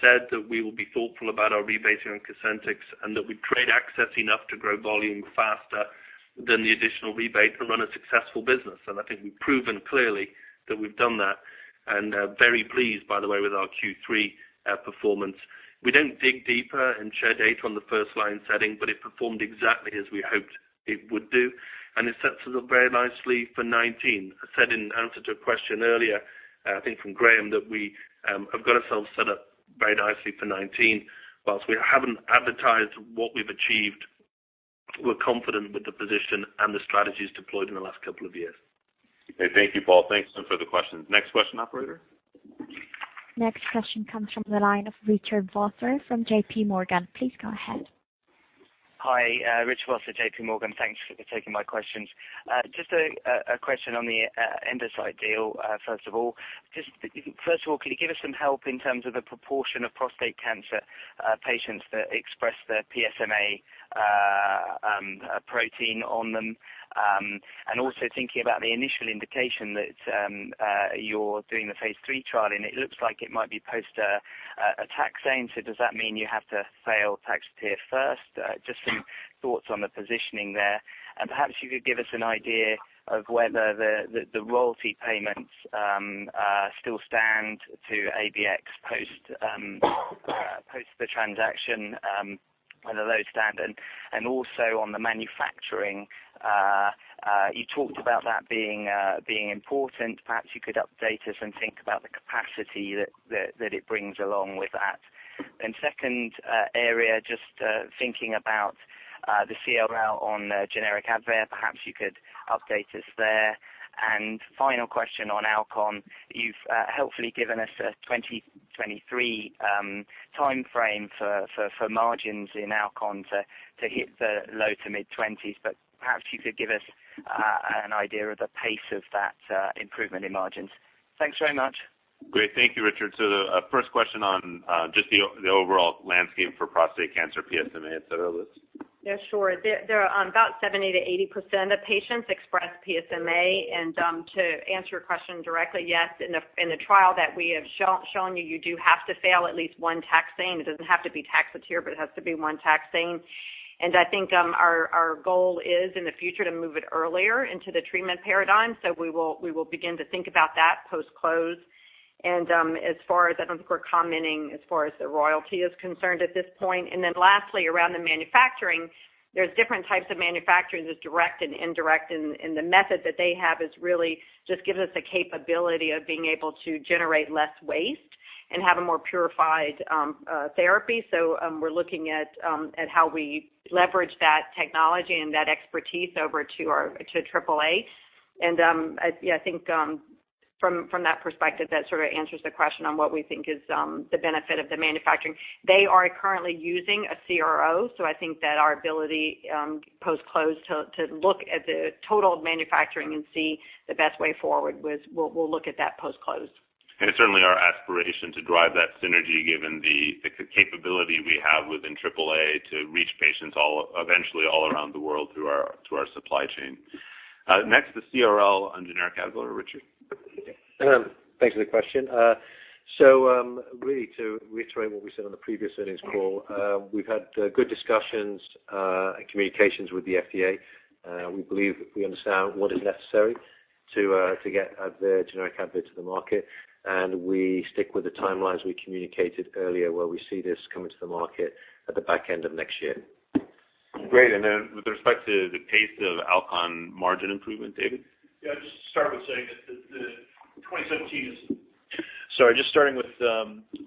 said that we will be thoughtful about our rebating on Cosentyx, and that we trade access enough to grow volume faster than the additional rebate and run a successful business. I think we've proven clearly that we've done that, and very pleased, by the way, with our Q3 performance. We don't dig deeper and share data on the first-line setting, it performed exactly as we hoped it would do, and it sets us up very nicely for 2019. I said in answer to a question earlier, I think from Graham, that we have got ourselves set up very nicely for 2019. Whilst we haven't advertised what we've achieved, we're confident with the position and the strategies deployed in the last couple of years. Okay. Thank you, Paul. Thanks for the questions. Next question, operator. Next question comes from the line of Richard Vosser from JP Morgan. Please go ahead. Hi. Richard Vosser, JP Morgan. Thanks for taking my questions. Just a question on the Endocyte deal, first of all. First of all, could you give us some help in terms of the proportion of prostate cancer patients that express the PSMA protein on them? Also thinking about the initial indication that you're doing the phase III trial, and it looks like it might be post a taxane, so does that mean you have to fail Taxotere first? Just some thoughts on the positioning there. Perhaps you could give us an idea of whether the royalty payments still stand to ABX post the transaction, whether those stand. Also on the manufacturing, you talked about that being important. Perhaps you could update us and think about the capacity that it brings along with that. Second area, just thinking about the CRL on generic ADVAIR, perhaps you could update us there. Final question on Alcon. You've helpfully given us a 2023 timeframe for margins in Alcon to hit the low to mid-20s, but perhaps you could give us an idea of the pace of that improvement in margins. Thanks very much. Great. Thank you, Richard. The first question on just the overall landscape for prostate cancer, PSMA, et cetera, Liz? Yes, sure. About 70%-80% of patients express PSMA. To answer your question directly, yes, in the trial that we have shown you do have to fail at least one taxane. It doesn't have to be Taxotere, but it has to be one taxane. I think our goal is, in the future, to move it earlier into the treatment paradigm. We will begin to think about that post-close. I don't think we're commenting as far as the royalty is concerned at this point. Lastly, around the manufacturing, there's different types of manufacturing. There's direct and indirect, and the method that they have just gives us the capability of being able to generate less waste and have a more purified therapy. We're looking at how we leverage that technology and that expertise over to AAA. I think from that perspective, that sort of answers the question on what we think is the benefit of the manufacturing. They are currently using a CRO, so I think that our ability, post-close, to look at the total manufacturing and see the best way forward, we'll look at that post-close. It's certainly our aspiration to drive that synergy, given the capability we have within AAA to reach patients eventually all around the world through our supply chain. Next, the CRL on generic Advair. Richard. Thanks for the question. Really to reiterate what we said on the previous earnings call, we've had good discussions and communications with the FDA. We believe we understand what is necessary to get the generic ADVAIR to the market, and we stick with the timelines we communicated earlier, where we see this coming to the market at the back end of next year. Great. With respect to the pace of Alcon margin improvement, David? Yeah, just starting with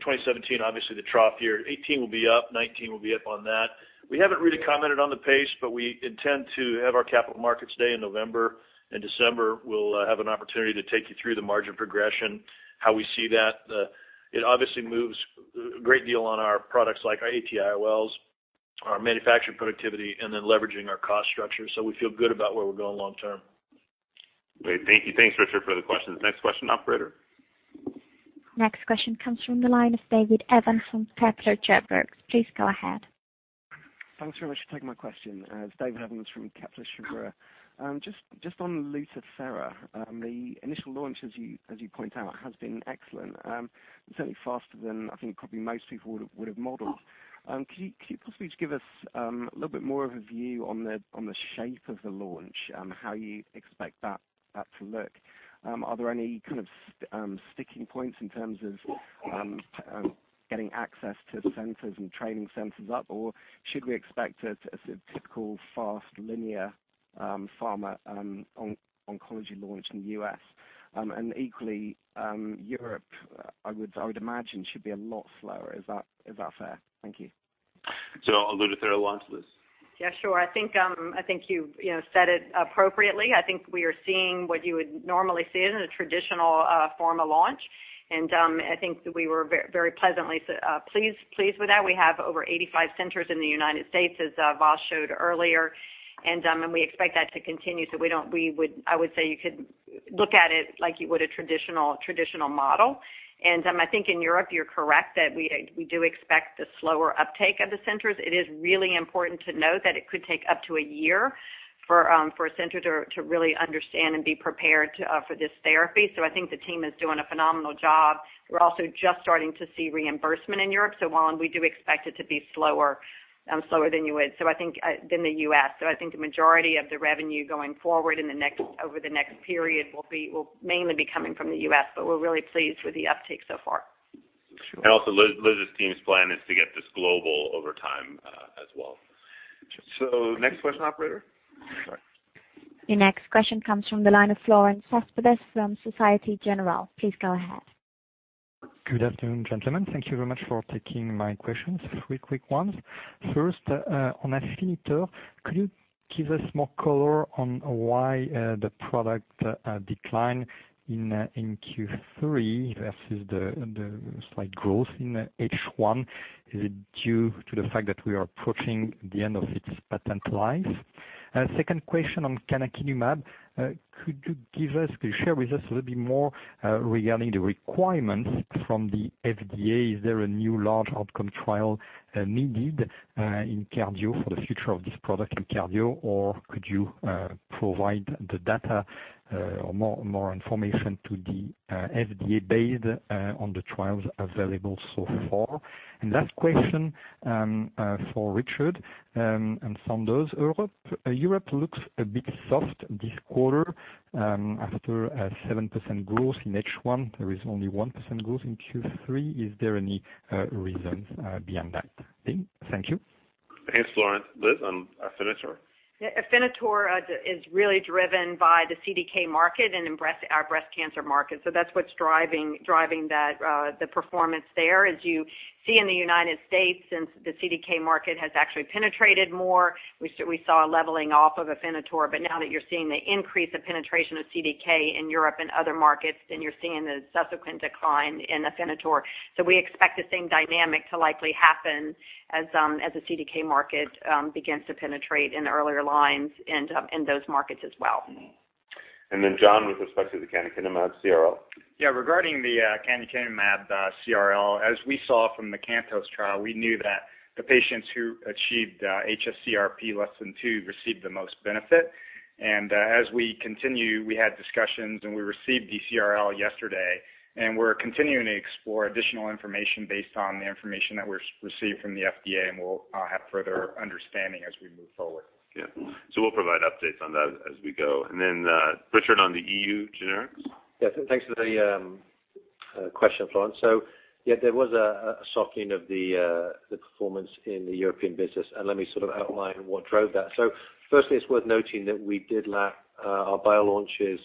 2017, obviously the trough year. 2018 will be up, 2019 will be up on that. We haven't really commented on the pace, but we intend to have our capital markets day in November, and December, we'll have an opportunity to take you through the margin progression, how we see that. It obviously moves a great deal on our products like our AT-IOLs, our manufacturing productivity, and then leveraging our cost structure. We feel good about where we're going long term. Great. Thank you. Thanks, Richard, for the questions. Next question, operator. Next question comes from the line of David Evans from Kepler Cheuvreux. Please go ahead. Thanks very much for taking my question. It's David Evans from Kepler Cheuvreux. Just on Lutathera, the initial launch, as you point out, has been excellent. Certainly faster than I think probably most people would have modeled. Could you possibly just give us a little bit more of a view on the shape of the launch, how you expect that to look? Are there any kind of sticking points in terms of getting access to the centers and training centers up, or should we expect a typical fast linear pharma oncology launch in the U.S.? Equally, Europe, I would imagine, should be a lot slower. Is that fair? Thank you. Lutathera launch, Liz? Yeah, sure. I think you said it appropriately. I think we are seeing what you would normally see in a traditional formal launch, and I think that we were very pleasantly pleased with that. We have over 85 centers in the United States, as Vas showed earlier. We expect that to continue, so I would say you could look at it like you would a traditional model. I think in Europe, you're correct that we do expect a slower uptake of the centers. It is really important to note that it could take up to a year for a center to really understand and be prepared for this therapy. I think the team is doing a phenomenal job. We're also just starting to see reimbursement in Europe. While we do expect it to be slower than the U.S. I think the majority of the revenue going forward over the next period will mainly be coming from the U.S., but we're really pleased with the uptake so far. Sure. Also Liz's team's plan is to get this global over time as well. Next question, operator. Sorry. Your next question comes from the line of Florent Cespedes from Societe Generale. Please go ahead. Good afternoon, gentlemen. Thank you very much for taking my questions. Three quick ones. First, on Afinitor, could you give us more color on why the product decline in Q3 versus the slight growth in H1? Is it due to the fact that we are approaching the end of its patent life? Second question on canakinumab. Could you share with us a little bit more regarding the requirements from the FDA? Is there a new large outcome trial needed in cardio for the future of this product in cardio, or could you provide the data or more information to the FDA based on the trials available so far? Last question for Richard on Sandoz Europe. Europe looks a bit soft this quarter after a 7% growth in H1. There is only 1% growth in Q3. Is there any reasons behind that? Thank you. Thanks, Florent. Liz, on Afinitor. Afinitor is really driven by the CDK market and our breast cancer market. That's what's driving the performance there. As you see in the United States, since the CDK market has actually penetrated more, we saw a leveling off of Afinitor. Now that you're seeing the increase of penetration of CDK in Europe and other markets, then you're seeing the subsequent decline in Afinitor. We expect the same dynamic to likely happen as the CDK market begins to penetrate in the earlier lines and in those markets as well. John, with respect to the canakinumab CRL. Regarding the canakinumab CRL, as we saw from the CANTOS trial, we knew that the patients who achieved hs-CRP less than two received the most benefit. As we continue, we had discussions and we received the CRL yesterday, we're continuing to explore additional information based on the information that we received from the FDA, we'll have further understanding as we move forward. We'll provide updates on that as we go. Richard, on the EU generics. Thanks for the question, Florent. There was a softening of the performance in the European business, let me sort of outline what drove that. Firstly, it's worth noting that we did lap our bio launches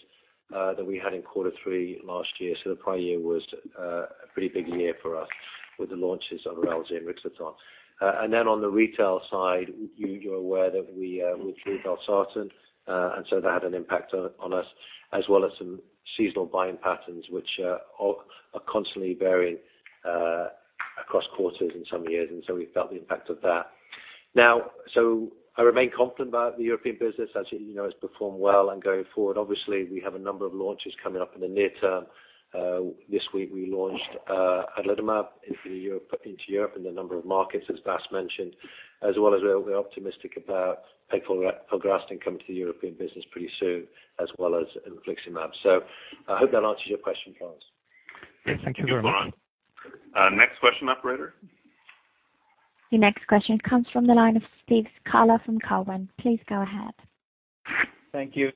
that we had in quarter three last year. The prior year was a pretty big year for us with the launches of Erelzi and Rixathon. On the retail side, you're aware that we withdrew valsartan. That had an impact on us as well as some seasonal buying patterns which are constantly varying across quarters in some years, we felt the impact of that. I remain confident about the European business as it has performed well and going forward. We have a number of launches coming up in the near term. This week we launched adalimumab into Europe in a number of markets, as Vas mentioned. We're optimistic about pegfilgrastim coming to the European business pretty soon, as well as infliximab. I hope that answers your question, Florent. Yes, thank you very much. Thanks, Florent. Next question, operator. Your next question comes from the line of Steve Scala from Cowen. Please go ahead. Thank you.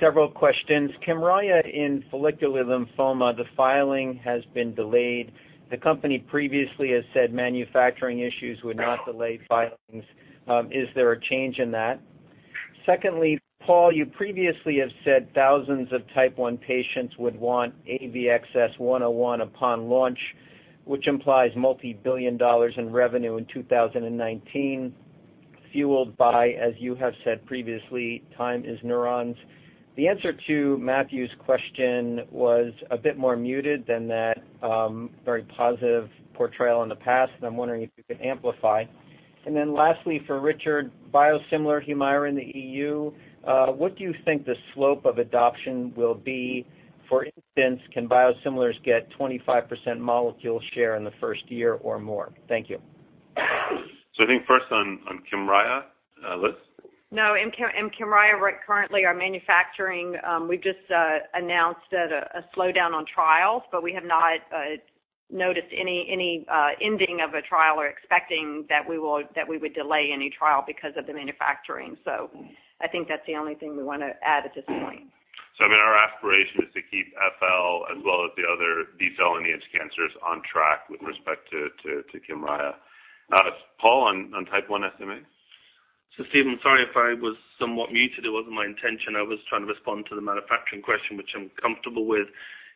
Several questions. KYMRIAH in follicular lymphoma, the filing has been delayed. The company previously has said manufacturing issues would not delay filings. Is there a change in that? Secondly, Paul, you previously have said thousands of type 1 patients would want AVXS-101 upon launch, which implies multi-billion dollars in revenue in 2019, fueled by, as you have said previously, time is neurons. The answer to Matthew's question was a bit more muted than that very positive portrayal in the past, and I'm wondering if you could amplify. And then lastly, for Richard, biosimilar HUMIRA in the EU, what do you think the slope of adoption will be? For instance, can biosimilars get 25% molecule share in the first year or more? Thank you. I think first on KYMRIAH. Liz? No, in KYMRIAH currently our manufacturing, we've just announced a slowdown on trials, but we have not noticed any ending of a trial or expecting that we would delay any trial because of the manufacturing. I think that's the only thing we want to add at this point. I mean, our aspiration is to keep FL as well as the other B-cell lineage cancers on track with respect to KYMRIAH. Paul, on type 1 SMA. Steve, I'm sorry if I was somewhat muted. It wasn't my intention. I was trying to respond to the manufacturing question, which I'm comfortable with.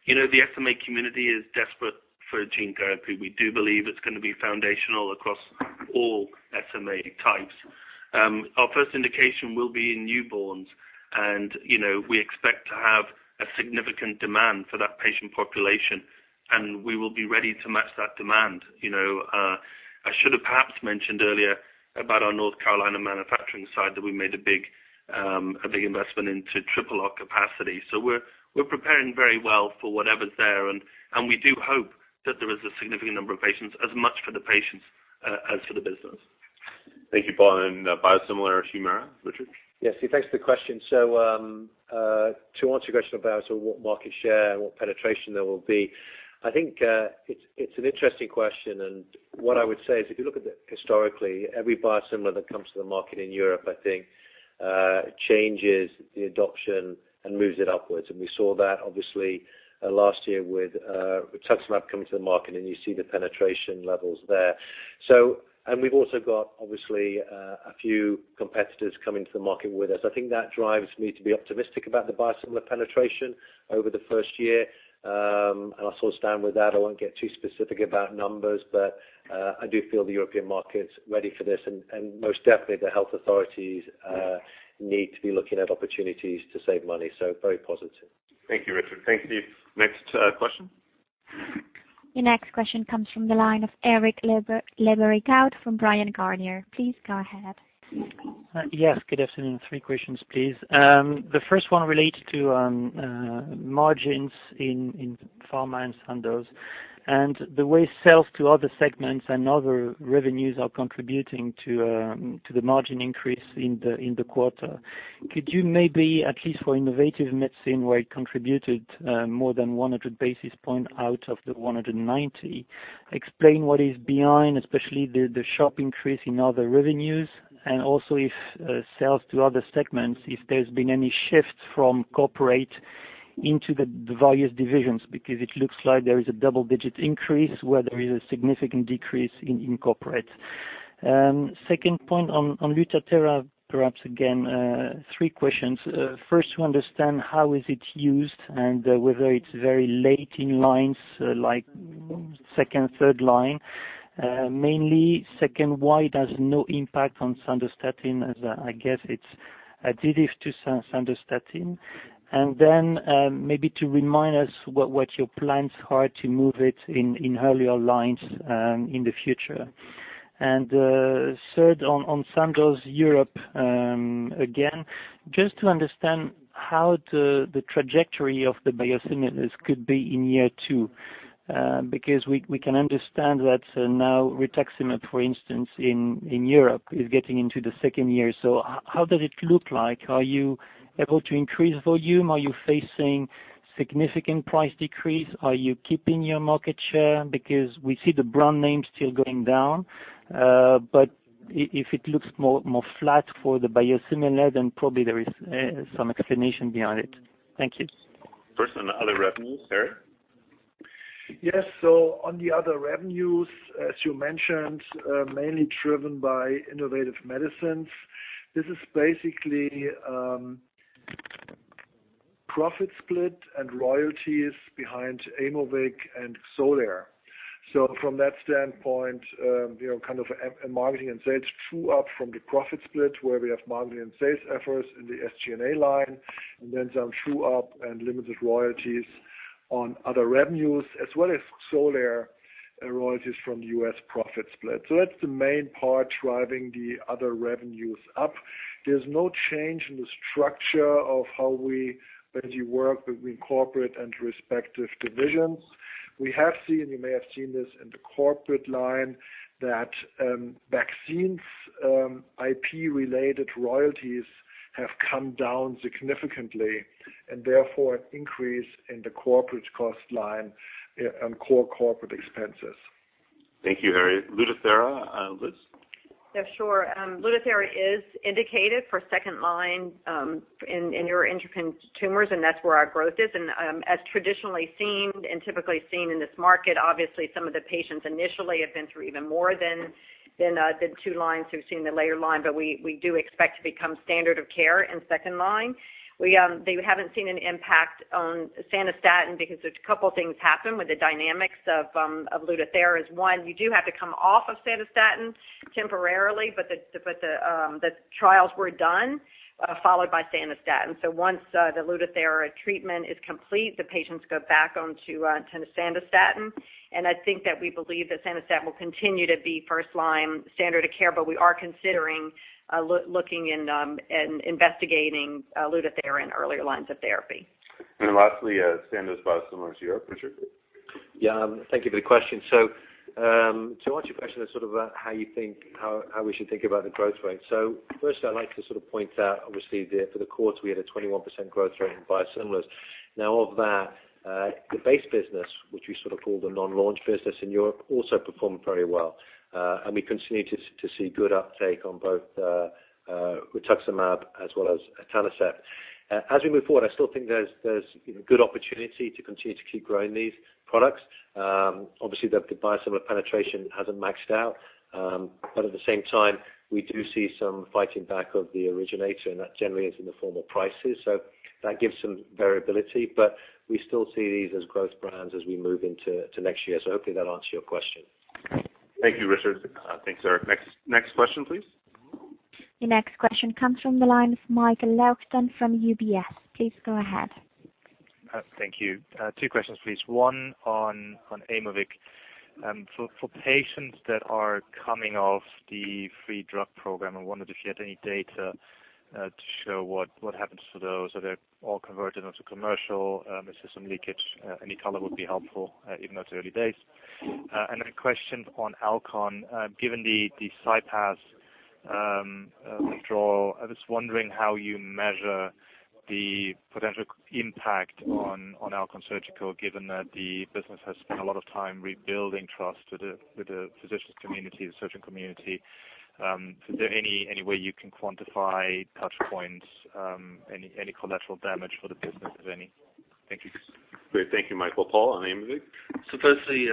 The SMA community is desperate for gene therapy. We do believe it's going to be foundational across all SMA types. Our first indication will be in newborns, and we expect to have a significant demand for that patient population, and we will be ready to match that demand. I should have perhaps mentioned earlier about our North Carolina manufacturing site that we made a big investment into triple our capacity. We're preparing very well for whatever's there, and we do hope that there is a significant number of patients, as much for the patients as for the business. Thank you, Paul. Biosimilar HUMIRA, Richard? Yes. Thanks for the question. To answer your question about what market share and what penetration there will be, I think it's an interesting question, and what I would say is if you look at it historically, every biosimilar that comes to the market in Europe, I think, changes the adoption and moves it upwards. We saw that obviously last year with rituximab coming to the market, and you see the penetration levels there. We've also got, obviously, a few competitors coming to the market with us. I think that drives me to be optimistic about the biosimilar penetration over the first year. I'll sort of stand with that. I won't get too specific about numbers, but I do feel the European market's ready for this, and most definitely, the health authorities need to be looking at opportunities to save money, very positive. Thank you, Richard. Thank you. Next question. Your next question comes from the line of Eric Le Berrigaud from Bryan, Garnier. Please go ahead. Yes, good afternoon. Three questions, please. The first one relates to margins in pharma and Sandoz and the way sales to other segments and other revenues are contributing to the margin increase in the quarter. Could you maybe, at least for Innovative Medicines, where it contributed more than 100 basis points out of the 190, explain what is behind, especially the sharp increase in other revenues, and also if sales to other segments, if there's been any shift from corporate into the various divisions? Because it looks like there is a double-digit increase where there is a significant decrease in corporate. Second point on Lutathera, perhaps again, three questions. First, to understand how is it used and whether it's very late in lines like second, third line, mainly. Second, why there's no impact on Sandostatin, as I guess it's additive to Sandostatin. Maybe to remind us what your plans are to move it in earlier lines in the future. Third, on Sandoz Europe, again, just to understand how the trajectory of the biosimilars could be in year two. Because we can understand that now rituximab, for instance, in Europe, is getting into the second year. How does it look like? Are you able to increase volume? Are you facing significant price decrease? Are you keeping your market share? Because we see the brand name still going down. If it looks more flat for the biosimilar, then probably there is some explanation behind it. Thank you. First on other revenues, Eric. Yes. On the other revenues, as you mentioned, mainly driven by Innovative Medicines. This is basically profit split and royalties behind Aimovig and Xolair. From that standpoint, kind of marketing and sales true-up from the profit split where we have marketing and sales efforts in the SG&A line, and then some true-up and limited royalties on other revenues, as well as Xolair royalties from U.S. profit split. That's the main part driving the other revenues up. There's no change in the structure of how we basically work between corporate and respective divisions. We have seen, you may have seen this in the corporate line, that vaccines IP-related royalties have come down significantly, and therefore an increase in the corporate cost line and core corporate expenses. Thank you, Eric. Lutathera, Liz? Yeah, sure. Lutathera is indicated for second-line in neuroendocrine tumors, That's where our growth is. As traditionally seen and typically seen in this market, obviously some of the patients initially have been through even more than 2 lines, who've seen the later line, but we do expect to become standard of care in second-line. They haven't seen an impact on Sandostatin because a couple things happen with the dynamics of Lutathera. One, you do have to come off of Sandostatin temporarily, but the trials were done, followed by Sandostatin. Once the Lutathera treatment is complete, the patients go back onto Sandostatin. I think that we believe that Sandostatin will continue to be first-line standard of care, but we are considering looking in and investigating Lutathera in earlier lines of therapy. Lastly, Sandoz Biosimilars Europe, Richard. Yeah. Thank you for the question. To answer your question as sort of how we should think about the growth rate. Firstly, I'd like to sort of point out, obviously, for the quarter, we had a 21% growth rate in biosimilars. Of that, the base business, which we sort of call the non-launch business in Europe, also performed very well. We continue to see good uptake on both rituximab as well as etanercept. As we move forward, I still think there is good opportunity to continue to keep growing these products. Obviously, the biosimilar penetration hasn't maxed out. At the same time, we do see some fighting back of the originator, and that generally is in the form of prices. That gives some variability, but we still see these as growth brands as we move into next year. Hopefully that answers your question. Thank you, Richard. Thanks, sir. Next question, please. Your next question comes from the line of Michael Leuchten from UBS. Please go ahead. Thank you. Two questions, please. One on Aimovig. For patients that are coming off the free drug program, I wondered if you had any data to show what happens to those. Are they all converted onto commercial? Is there some leakage? Any color would be helpful, even though it's early days. Then a question on Alcon. Given the CyPass withdrawal, I was wondering how you measure the potential impact on Alcon surgical, given that the business has spent a lot of time rebuilding trust with the physicians community, the surgeon community. Is there any way you can quantify touch points, any collateral damage for the business of any? Thank you. Great. Thank you, Michael. Paul, on Aimovig. Firstly,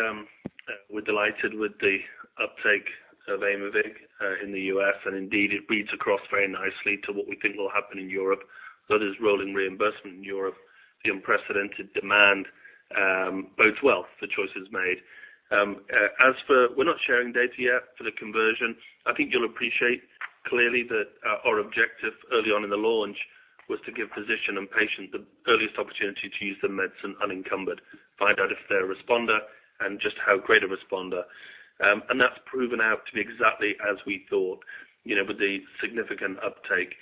we're delighted with the uptake of Aimovig in the U.S., and indeed, it reads across very nicely to what we think will happen in Europe. That is rolling reimbursement in Europe, the unprecedented demand bodes well for choices made. We're not sharing data yet for the conversion. I think you'll appreciate clearly that our objective early on in the launch was to give physician and patient the earliest opportunity to use the medicine unencumbered, find out if they're a responder, and just how great a responder. That's proven out to be exactly as we thought with the significant uptake.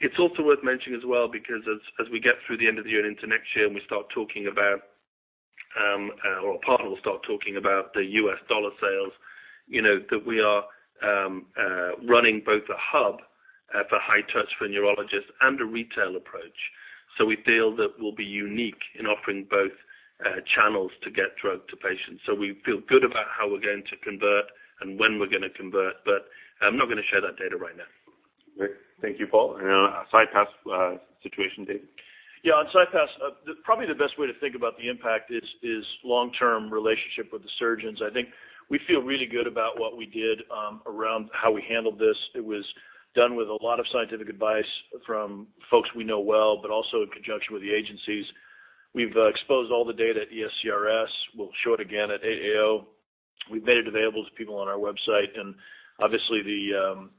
It's also worth mentioning as well, because as we get through the end of the year and into next year and our partner will start talking about the U.S. dollar sales, that we are running both a hub for high touch for neurologists and a retail approach. We feel that we'll be unique in offering both channels to get drug to patients. We feel good about how we're going to convert and when we're going to convert, I'm not going to share that data right now. Great. Thank you, Paul. CyPass situation, Dave. On CyPass, probably the best way to think about the impact is long-term relationship with the surgeons. I think we feel really good about what we did around how we handled this. It was done with a lot of scientific advice from folks we know well, but also in conjunction with the agencies. We've exposed all the data at ESCRS. We'll show it again at AAO. We've made it available to people on our website. Obviously,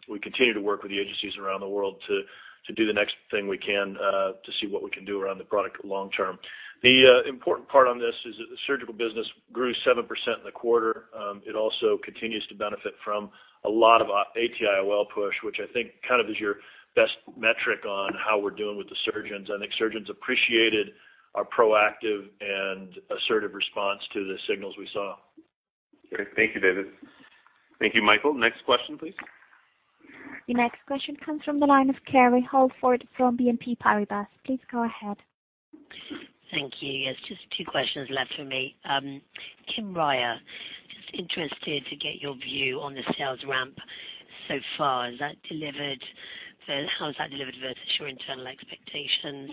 we continue to work with the agencies around the world to do the next thing we can to see what we can do around the product long term. The important part on this is that the surgical business grew 7% in the quarter. It also continues to benefit from a lot of ATIL push, which I think is your best metric on how we're doing with the surgeons. I think surgeons appreciated our proactive and assertive response to the signals we saw. Great. Thank you, David. Thank you, Michael. Next question, please. Your next question comes from the line of Kerry Holford from BNP Paribas. Please go ahead. Thank you. Yes, just two questions left for me. Kymriah, just interested to get your view on the sales ramp so far. How has that delivered versus your internal expectations?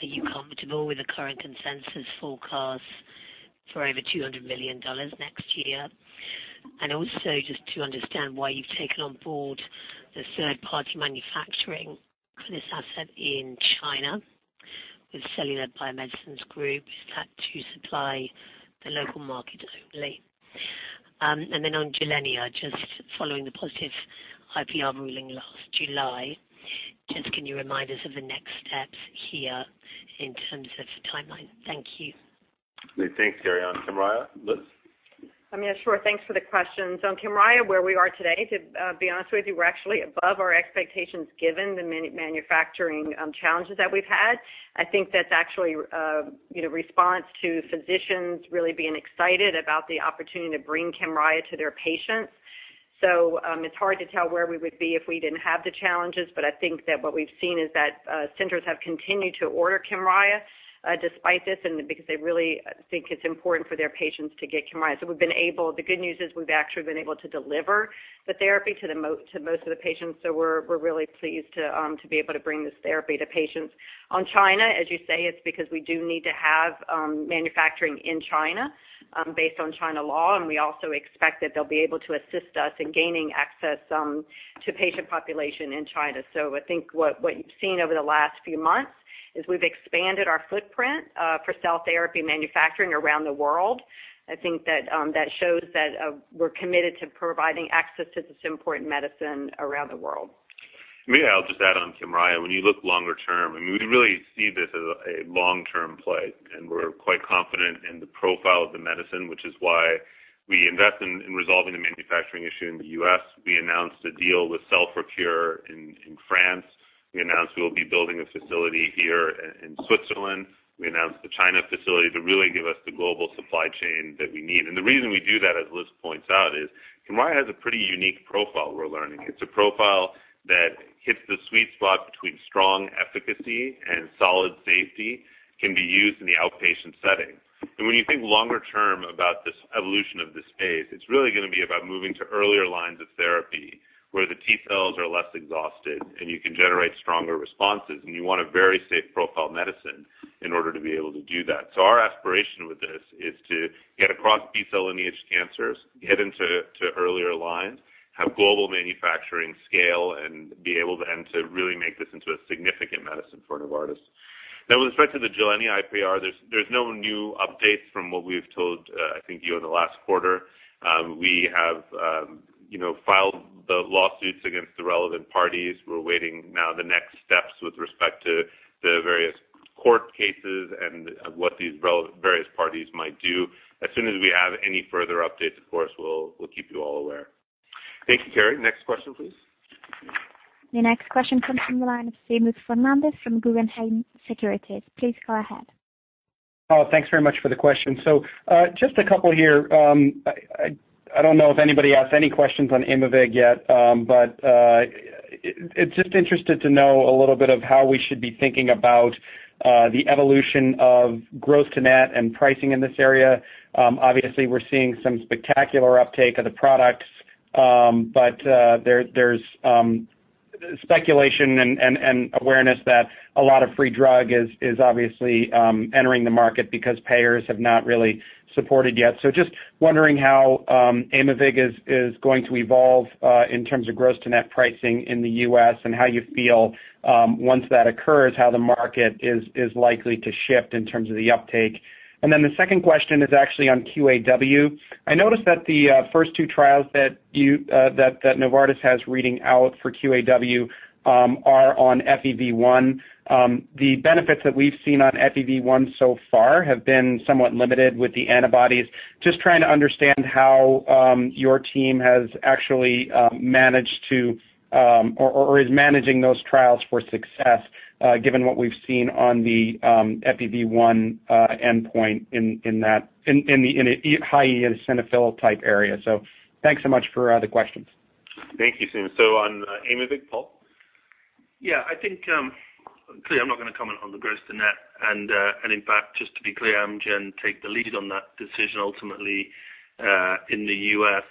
Are you comfortable with the current consensus forecast for over $200 million next year? Just to understand why you've taken on board the third-party manufacturing for this asset in China with Cellular Biomedicine Group. Is that to supply the local market only? On Gilenya, just following the positive IPR ruling last July, just can you remind us of the next steps here in terms of timeline? Thank you. Great. Thanks, Kerry. On Kymriah, Liz. I mean, sure. Thanks for the questions. On Kymriah, where we are today, to be honest with you, we're actually above our expectations given the manufacturing challenges that we've had. I think that's actually a response to physicians really being excited about the opportunity to bring Kymriah to their patients. It's hard to tell where we would be if we didn't have the challenges, but I think that what we've seen is that centers have continued to order Kymriah despite this and because they really think it's important for their patients to get Kymriah. The good news is we've actually been able to deliver the therapy to most of the patients, so we're really pleased to be able to bring this therapy to patients. On China, as you say, it's because we do need to have manufacturing in China based on China law, we also expect that they'll be able to assist us in gaining access to patient population in China. I think what you've seen over the last few months is we've expanded our footprint for cell therapy manufacturing around the world. I think that shows that we're committed to providing access to this important medicine around the world. Maybe I'll just add on KYMRIAH. When you look longer term, we really see this as a long-term play, and we're quite confident in the profile of the medicine, which is why we invest in resolving the manufacturing issue in the U.S. We announced a deal with CELLforCURE in France. We announced we will be building a facility here in Switzerland. We announced the China facility to really give us the global supply chain that we need. The reason we do that, as Liz points out, is KYMRIAH has a pretty unique profile we're learning. It's a profile that hits the sweet spot between strong efficacy and solid safety, can be used in the outpatient setting. When you think longer term about this evolution of the space, it's really going to be about moving to earlier lines of therapy where the T cells are less exhausted and you can generate stronger responses, and you want a very safe profile medicine in order to be able to do that. Our aspiration with this is to get across B-cell lineage cancers, get into earlier lines, have global manufacturing scale, and be able then to really make this into a significant medicine for Novartis. Now with respect to the Gilenya IPR, there's no new updates from what we've told, I think you in the last quarter. We have filed the lawsuits against the relevant parties. We're waiting now the next steps with respect to the various court cases and what these various parties might do. As soon as we have any further updates, of course, we'll keep you all aware. Thank you, Kerry. Next question, please. The next question comes from the line of Seamus Fernandez from Guggenheim Securities. Please go ahead. Paul, thanks very much for the question. Just a couple here. I don't know if anybody asked any questions on Aimovig yet, but just interested to know a little bit of how we should be thinking about the evolution of gross to net and pricing in this area. Obviously, we're seeing some spectacular uptake of the products. There's speculation and awareness that a lot of free drug is obviously entering the market because payers have not really supported yet. Just wondering how Aimovig is going to evolve in terms of gross to net pricing in the U.S. and how you feel once that occurs, how the market is likely to shift in terms of the uptake. The second question is actually on QAW. I noticed that the first two trials that Novartis has reading out for QAW are on FEV1. The benefits that we've seen on FEV1 so far have been somewhat limited with the antibodies. Just trying to understand how your team has actually managed to or is managing those trials for success, given what we've seen on the FEV1 endpoint in the high eosinophil type area. Thanks so much for the questions. Thank you, Seamus. On Aimovig, Paul? I think clearly I'm not going to comment on the gross to net. In fact, just to be clear, Amgen take the lead on that decision ultimately in the U.S.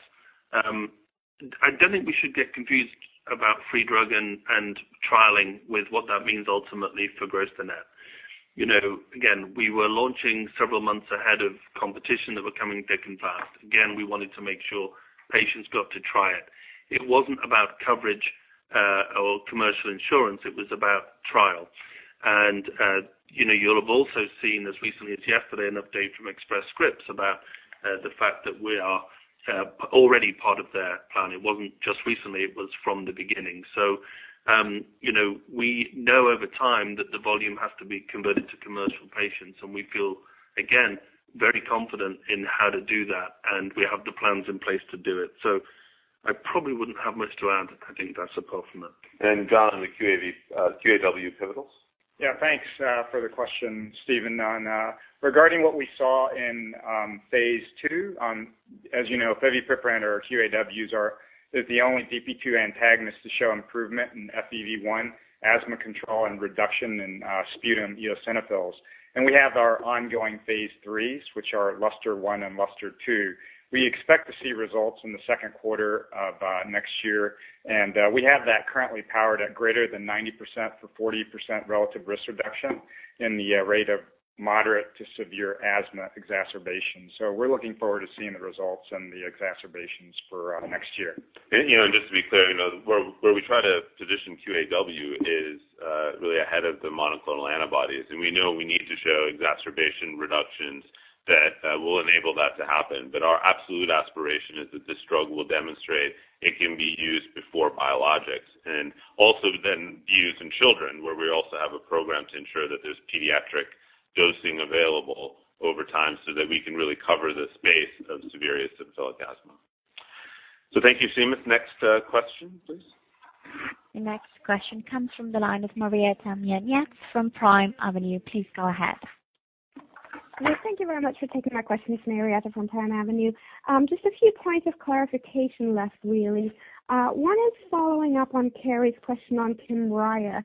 I don't think we should get confused about free drug and trialing with what that means ultimately for gross to net. We were launching several months ahead of competition that were coming thick and fast. We wanted to make sure patients got to try it. It wasn't about coverage or commercial insurance, it was about trial. You'll have also seen as recently as yesterday an update from Express Scripts about the fact that we are already part of their plan. It wasn't just recently, it was from the beginning. We know over time that the volume has to be converted to commercial patients, and we feel again, very confident in how to do that, and we have the plans in place to do it. I probably wouldn't have much to add. I think that's a Paul Smith. John on the QAW pivotals. Thanks for the question, Seamus. Regarding what we saw in phase II, as you know, fevipiprant or QAW039 is the only DP2 antagonist to show improvement in FEV1 asthma control and reduction in sputum eosinophils. We have our ongoing phase IIIs, which are LUSTER-1 and LUSTER-2. We expect to see results in the second quarter of next year. We have that currently powered at greater than 90% for 40% relative risk reduction in the rate of moderate to severe asthma exacerbation. We're looking forward to seeing the results and the exacerbations for next year. Just to be clear, where we try to position QAW039 is really ahead of the monoclonal antibodies, and we know we need to show exacerbation reductions that will enable that to happen. Our absolute aspiration is that this drug will demonstrate it can be used before biologics and also then used in children where we also have a program to ensure that there's pediatric dosing available over time so that we can really cover the space of severe eosinophilic asthma. Thank you, Seamus. Next question, please. The next question comes from the line of Marietta Taminiaux from Primavenue. Please go ahead. Yes, thank you very much for taking my question. It's Marietta from Primavenue. Just a few points of clarification left, really. One is following up on Kerry's question on KYMRIAH.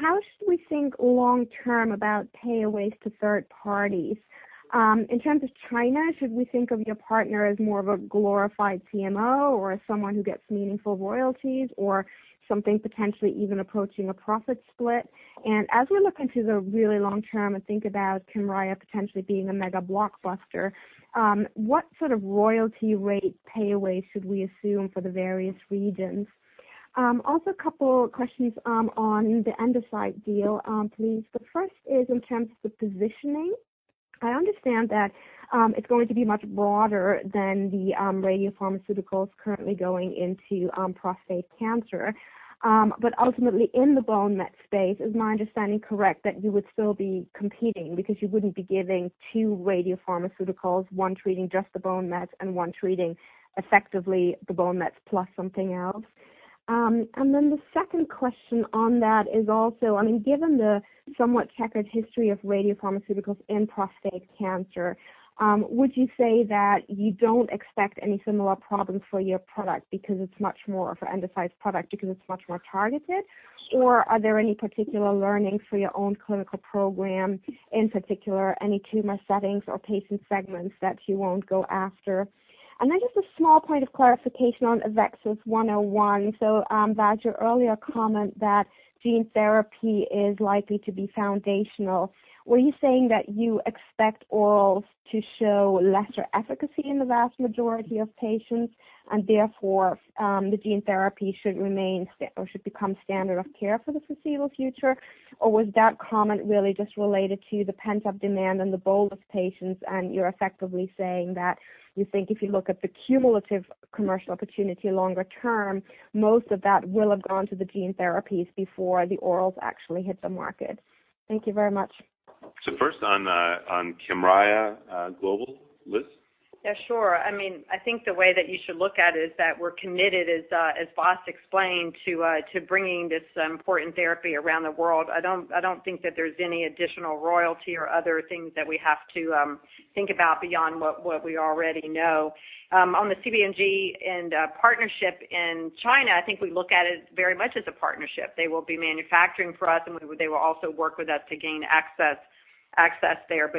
How should we think long term about pay aways to third parties? In terms of China, should we think of your partner as more of a glorified CMO or as someone who gets meaningful royalties or something potentially even approaching a profit split? As we look into the really long term and think about KYMRIAH potentially being a mega blockbuster, what sort of royalty rate pay away should we assume for the various regions? Also, a couple questions on the Endocyte deal, please. The first is in terms of the positioning. I understand that it's going to be much broader than the radiopharmaceuticals currently going into prostate cancer. Ultimately in the bone met space, is my understanding correct that you would still be competing because you wouldn't be giving two radiopharmaceuticals, one treating just the bone mets and one treating effectively the bone mets plus something else? The second question on that is also, given the somewhat checkered history of radiopharmaceuticals in prostate cancer, would you say that you don't expect any similar problems for your product because it's much more of Endocyte's product, because it's much more targeted? Or are there any particular learnings for your own clinical program, in particular, any tumor settings or patient segments that you won't go after? Then just a small point of clarification on AVXS-101. Vas, earlier comment that gene therapy is likely to be foundational. Were you saying that you expect orals to show lesser efficacy in the vast majority of patients, and therefore, the gene therapy should remain or should become standard of care for the foreseeable future? Or was that comment really just related to the pent-up demand and the cohort of patients and you're effectively saying that you think if you look at the cumulative commercial opportunity longer term, most of that will have gone to the gene therapies before the orals actually hit the market? Thank you very much. First on Kymriah global, Liz? Yeah, sure. I think the way that you should look at it is that we're committed, as Vas explained, to bringing this important therapy around the world. I don't think that there's any additional royalty or other things that we have to think about beyond what we already know. On the CBMG partnership in China, I think we look at it very much as a partnership. They will be manufacturing for us, and they will also work with us to gain access there.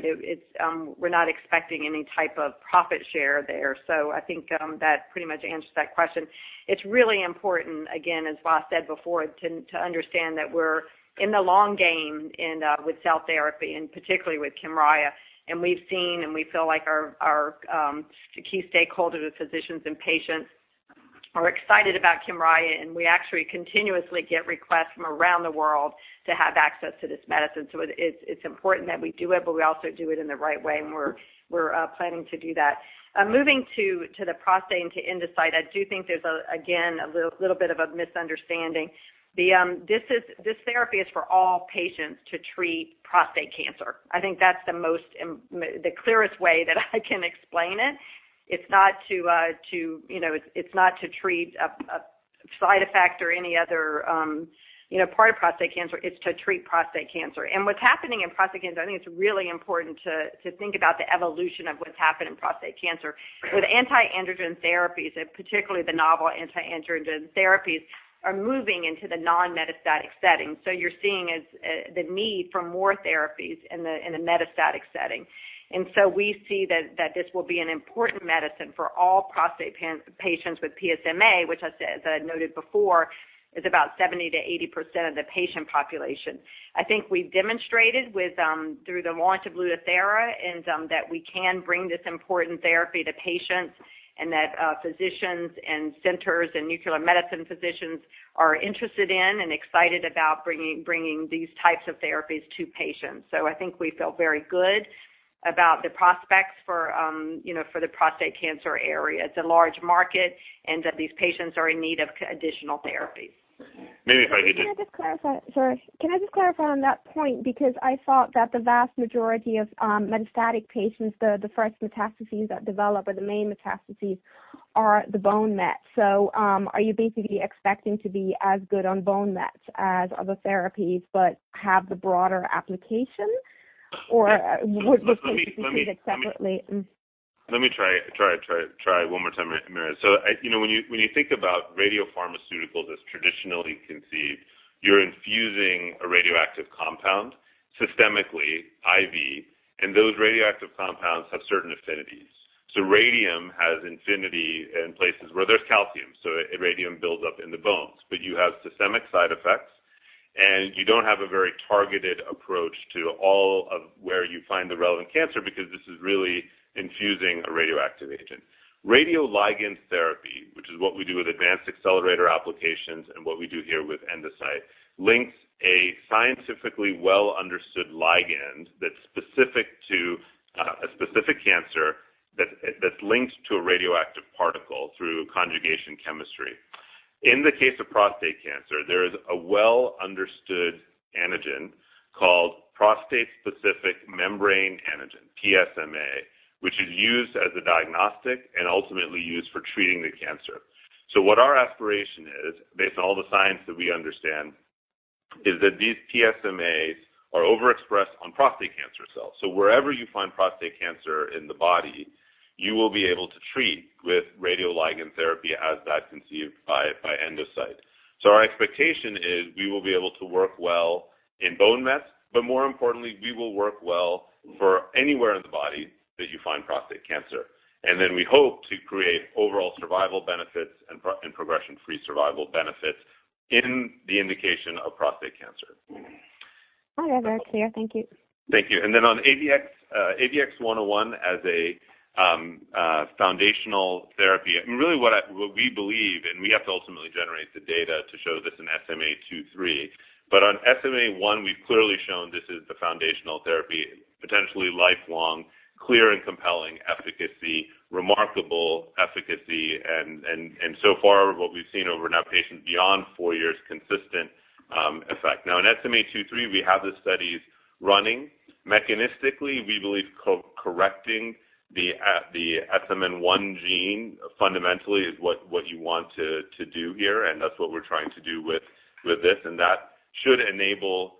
We're not expecting any type of profit share there. I think that pretty much answers that question. It's really important, again, as Vas said before, to understand that we're in the long game and with cell therapy and particularly with Kymriah, and we've seen and we feel like our key stakeholders, the physicians and patients, are excited about Kymriah, and we actually continuously get requests from around the world to have access to this medicine. It's important that we do it, we also do it in the right way, and we're planning to do that. Moving to the prostate and to Endocyte, I do think there's, again, a little bit of a misunderstanding. This therapy is for all patients to treat prostate cancer. I think that's the clearest way that I can explain it. It's not to treat a side effect or any other part of prostate cancer. It's to treat prostate cancer. What's happening in prostate cancer, I think it's really important to think about the evolution of what's happened in prostate cancer. With anti-androgen therapies, particularly the novel anti-androgen therapies, are moving into the non-metastatic setting. You're seeing the need for more therapies in the metastatic setting. We see that this will be an important medicine for all prostate patients with PSMA, which as I noted before, is about 70%-80% of the patient population. I think we've demonstrated through the launch of Lutathera and that we can bring this important therapy to patients and that physicians and centers and nuclear medicine physicians are interested in and excited about bringing these types of therapies to patients. I think we feel very good about the prospects for the prostate cancer area. It's a large market, and these patients are in need of additional therapy. Maybe if I could just- Can I just clarify? Sorry. Can I just clarify on that point? I thought that the vast majority of metastatic patients, the first metastases that develop or the main metastases are the bone mets. Are you basically expecting to be as good on bone mets as other therapies but have the broader application? Would this be treated separately? Let me try one more time, Samir. When you think about radiopharmaceuticals as traditionally conceived, you're infusing a radioactive compound systemically, IV, and those radioactive compounds have certain affinities. Radium has affinity in places where there's calcium, radium builds up in the bones, but you have systemic side effects, and you don't have a very targeted approach to all of where you find the relevant cancer because this is really infusing a radioactive agent. Radioligand therapy, which is what we do with Advanced Accelerator Applications and what we do here with Endocyte, links a scientifically well-understood ligand that's specific to a specific cancer that's linked to a radioactive particle through conjugation chemistry. In the case of prostate cancer, there is a well-understood antigen called prostate-specific membrane antigen, PSMA, which is used as a diagnostic and ultimately used for treating the cancer. What our aspiration is, based on all the science that we understand, is that these PSMAs are overexpressed on prostate cancer cells. Wherever you find prostate cancer in the body, you will be able to treat with radioligand therapy as that conceived by Endocyte. Our expectation is we will be able to work well in bone mets, but more importantly, we will work well for anywhere in the body that you find prostate cancer. We hope to create overall survival benefits and progression-free survival benefits in the indication of prostate cancer. All right. That's clear. Thank you. Thank you. On AVXS-101 as a foundational therapy, really what we believe, we have to ultimately generate the data to show this in SMA 2/3, on SMA 1, we've clearly shown this is the foundational therapy, potentially lifelong, clear and compelling efficacy, remarkable efficacy, and so far what we've seen over now patients beyond 4 years consistent effect. In SMA 2/3, we have the studies running. Mechanistically, we believe correcting the SMN1 gene fundamentally is what you want to do here, that's what we're trying to do with this, that should enable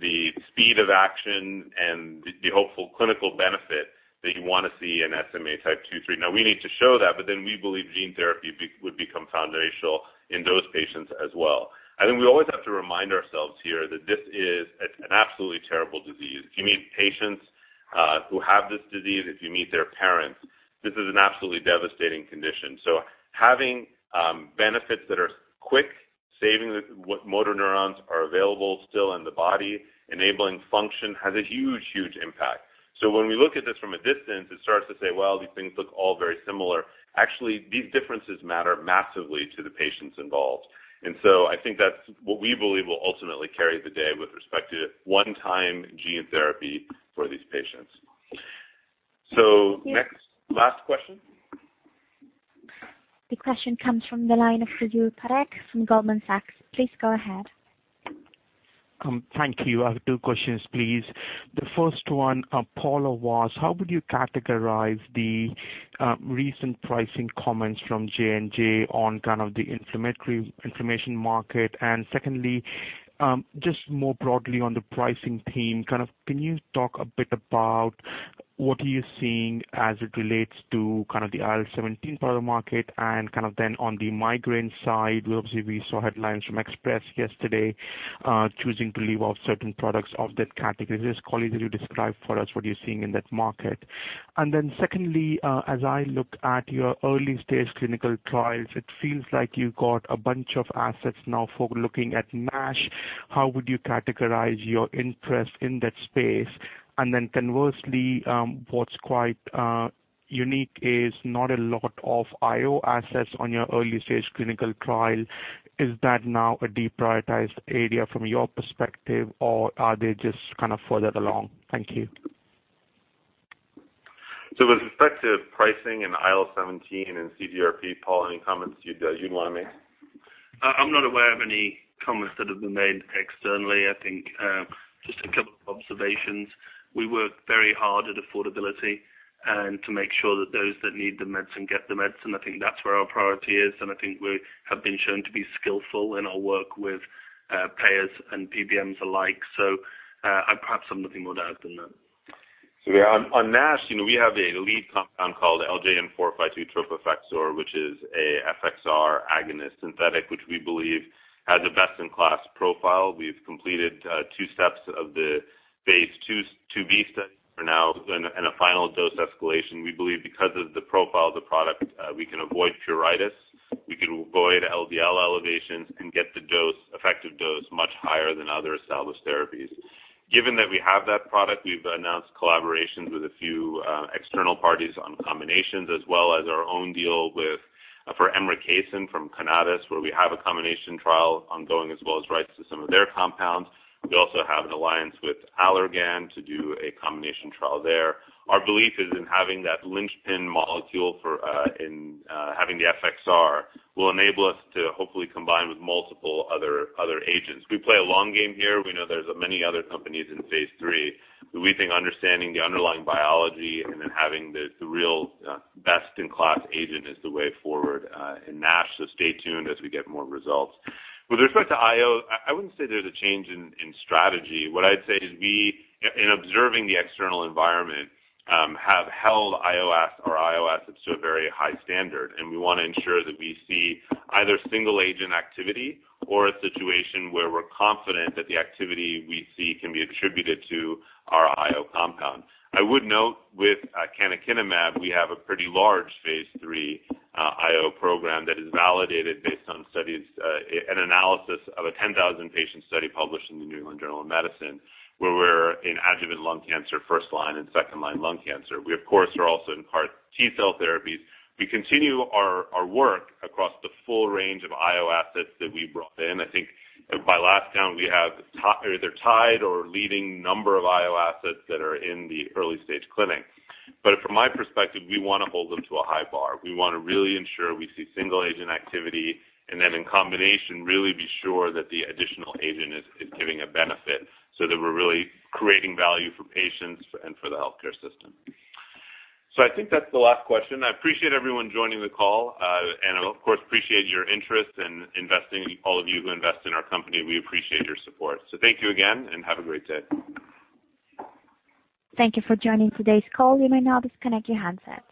the speed of action and the hopeful clinical benefit that you want to see in SMA type 2/3. We need to show that, we believe gene therapy would become foundational in those patients as well. I think we always have to remind ourselves here that this is an absolutely terrible disease. You meet patients who have this disease, if you meet their parents, this is an absolutely devastating condition. Having benefits that are quick, saving what motor neurons are available still in the body, enabling function, has a huge impact. When we look at this from a distance, it starts to say, "Well, these things look all very similar." Actually, these differences matter massively to the patients involved. I think that's what we believe will ultimately carry the day with respect to one-time gene therapy for these patients. Next, last question. The question comes from the line of Tejas Parekh from Goldman Sachs. Please go ahead. Thank you. I have two questions, please. The first one, Paul, was how would you categorize the recent pricing comments from Johnson & Johnson on kind of the inflammatory inflammation market? Secondly, just more broadly on the pricing theme, can you talk a bit about what you're seeing as it relates to the IL-17 part of the market, and then on the migraine side? Obviously, we saw headlines from Express Scripts yesterday choosing to leave off certain products of that category. Just kindly could you describe for us what you're seeing in that market. Secondly, as I look at your early-stage clinical trials, it feels like you got a bunch of assets now for looking at NASH. How would you categorize your interest in that space? Conversely, what's quite unique is not a lot of IO assets on your early-stage clinical trial. Is that now a deprioritized area from your perspective, or are they just kind of further along? Thank you. With respect to pricing and IL-17 and CGRP, Paul, any comments you'd want to make? I'm not aware of any comments that have been made externally. I think just a couple of observations. We work very hard at affordability and to make sure that those that need the medicine get the medicine. I think that's where our priority is, and I think we have been shown to be skillful in our work with payers and PBMs alike. Perhaps nothing more to add than that. Yeah, on NASH, we have a lead compound called LJN452 tropifexor, which is a FXR agonist synthetic, which we believe has a best-in-class profile. We've completed two steps of the phase II-B study for now and a final dose escalation. We believe because of the profile of the product, we can avoid pruritus, we can avoid LDL elevations and get the effective dose much higher than other established therapies. Given that we have that product, we've announced collaborations with a few external parties on combinations as well as our own deal for emricasan from Conatus Pharmaceuticals, where we have a combination trial ongoing as well as rights to some of their compounds. We also have an alliance with Allergan to do a combination trial there. Our belief is in having that linchpin molecule for and having the FXR will enable us to hopefully combine with multiple other agents. We play a long game here. We know there's many other companies in phase III. We think understanding the underlying biology and having the real best-in-class agent is the way forward in NASH. Stay tuned as we get more results. With respect to IO, I wouldn't say there's a change in strategy. What I'd say is we, in observing the external environment, have held our IO assets to a very high standard, and we want to ensure that we see either single-agent activity or a situation where we're confident that the activity we see can be attributed to our IO compound. I would note with canakinumab, we have a pretty large phase III IO program that is validated based on studies, an analysis of a 10,000-patient study published in the New England Journal of Medicine where we're in adjuvant lung cancer, first-line and second-line lung cancer. We, of course, are also in CAR T-cell therapies. We continue our work across the full range of IO assets that we brought in. I think by last count, we have either tied or leading number of IO assets that are in the early stage clinic. From my perspective, we want to hold them to a high bar. We want to really ensure we see single-agent activity and then in combination, really be sure that the additional agent is giving a benefit so that we're really creating value for patients and for the healthcare system. I think that's the last question. I appreciate everyone joining the call, and of course, appreciate your interest in investing. All of you who invest in our company, we appreciate your support. Thank you again, and have a great day. Thank you for joining today's call. You may now disconnect your handsets.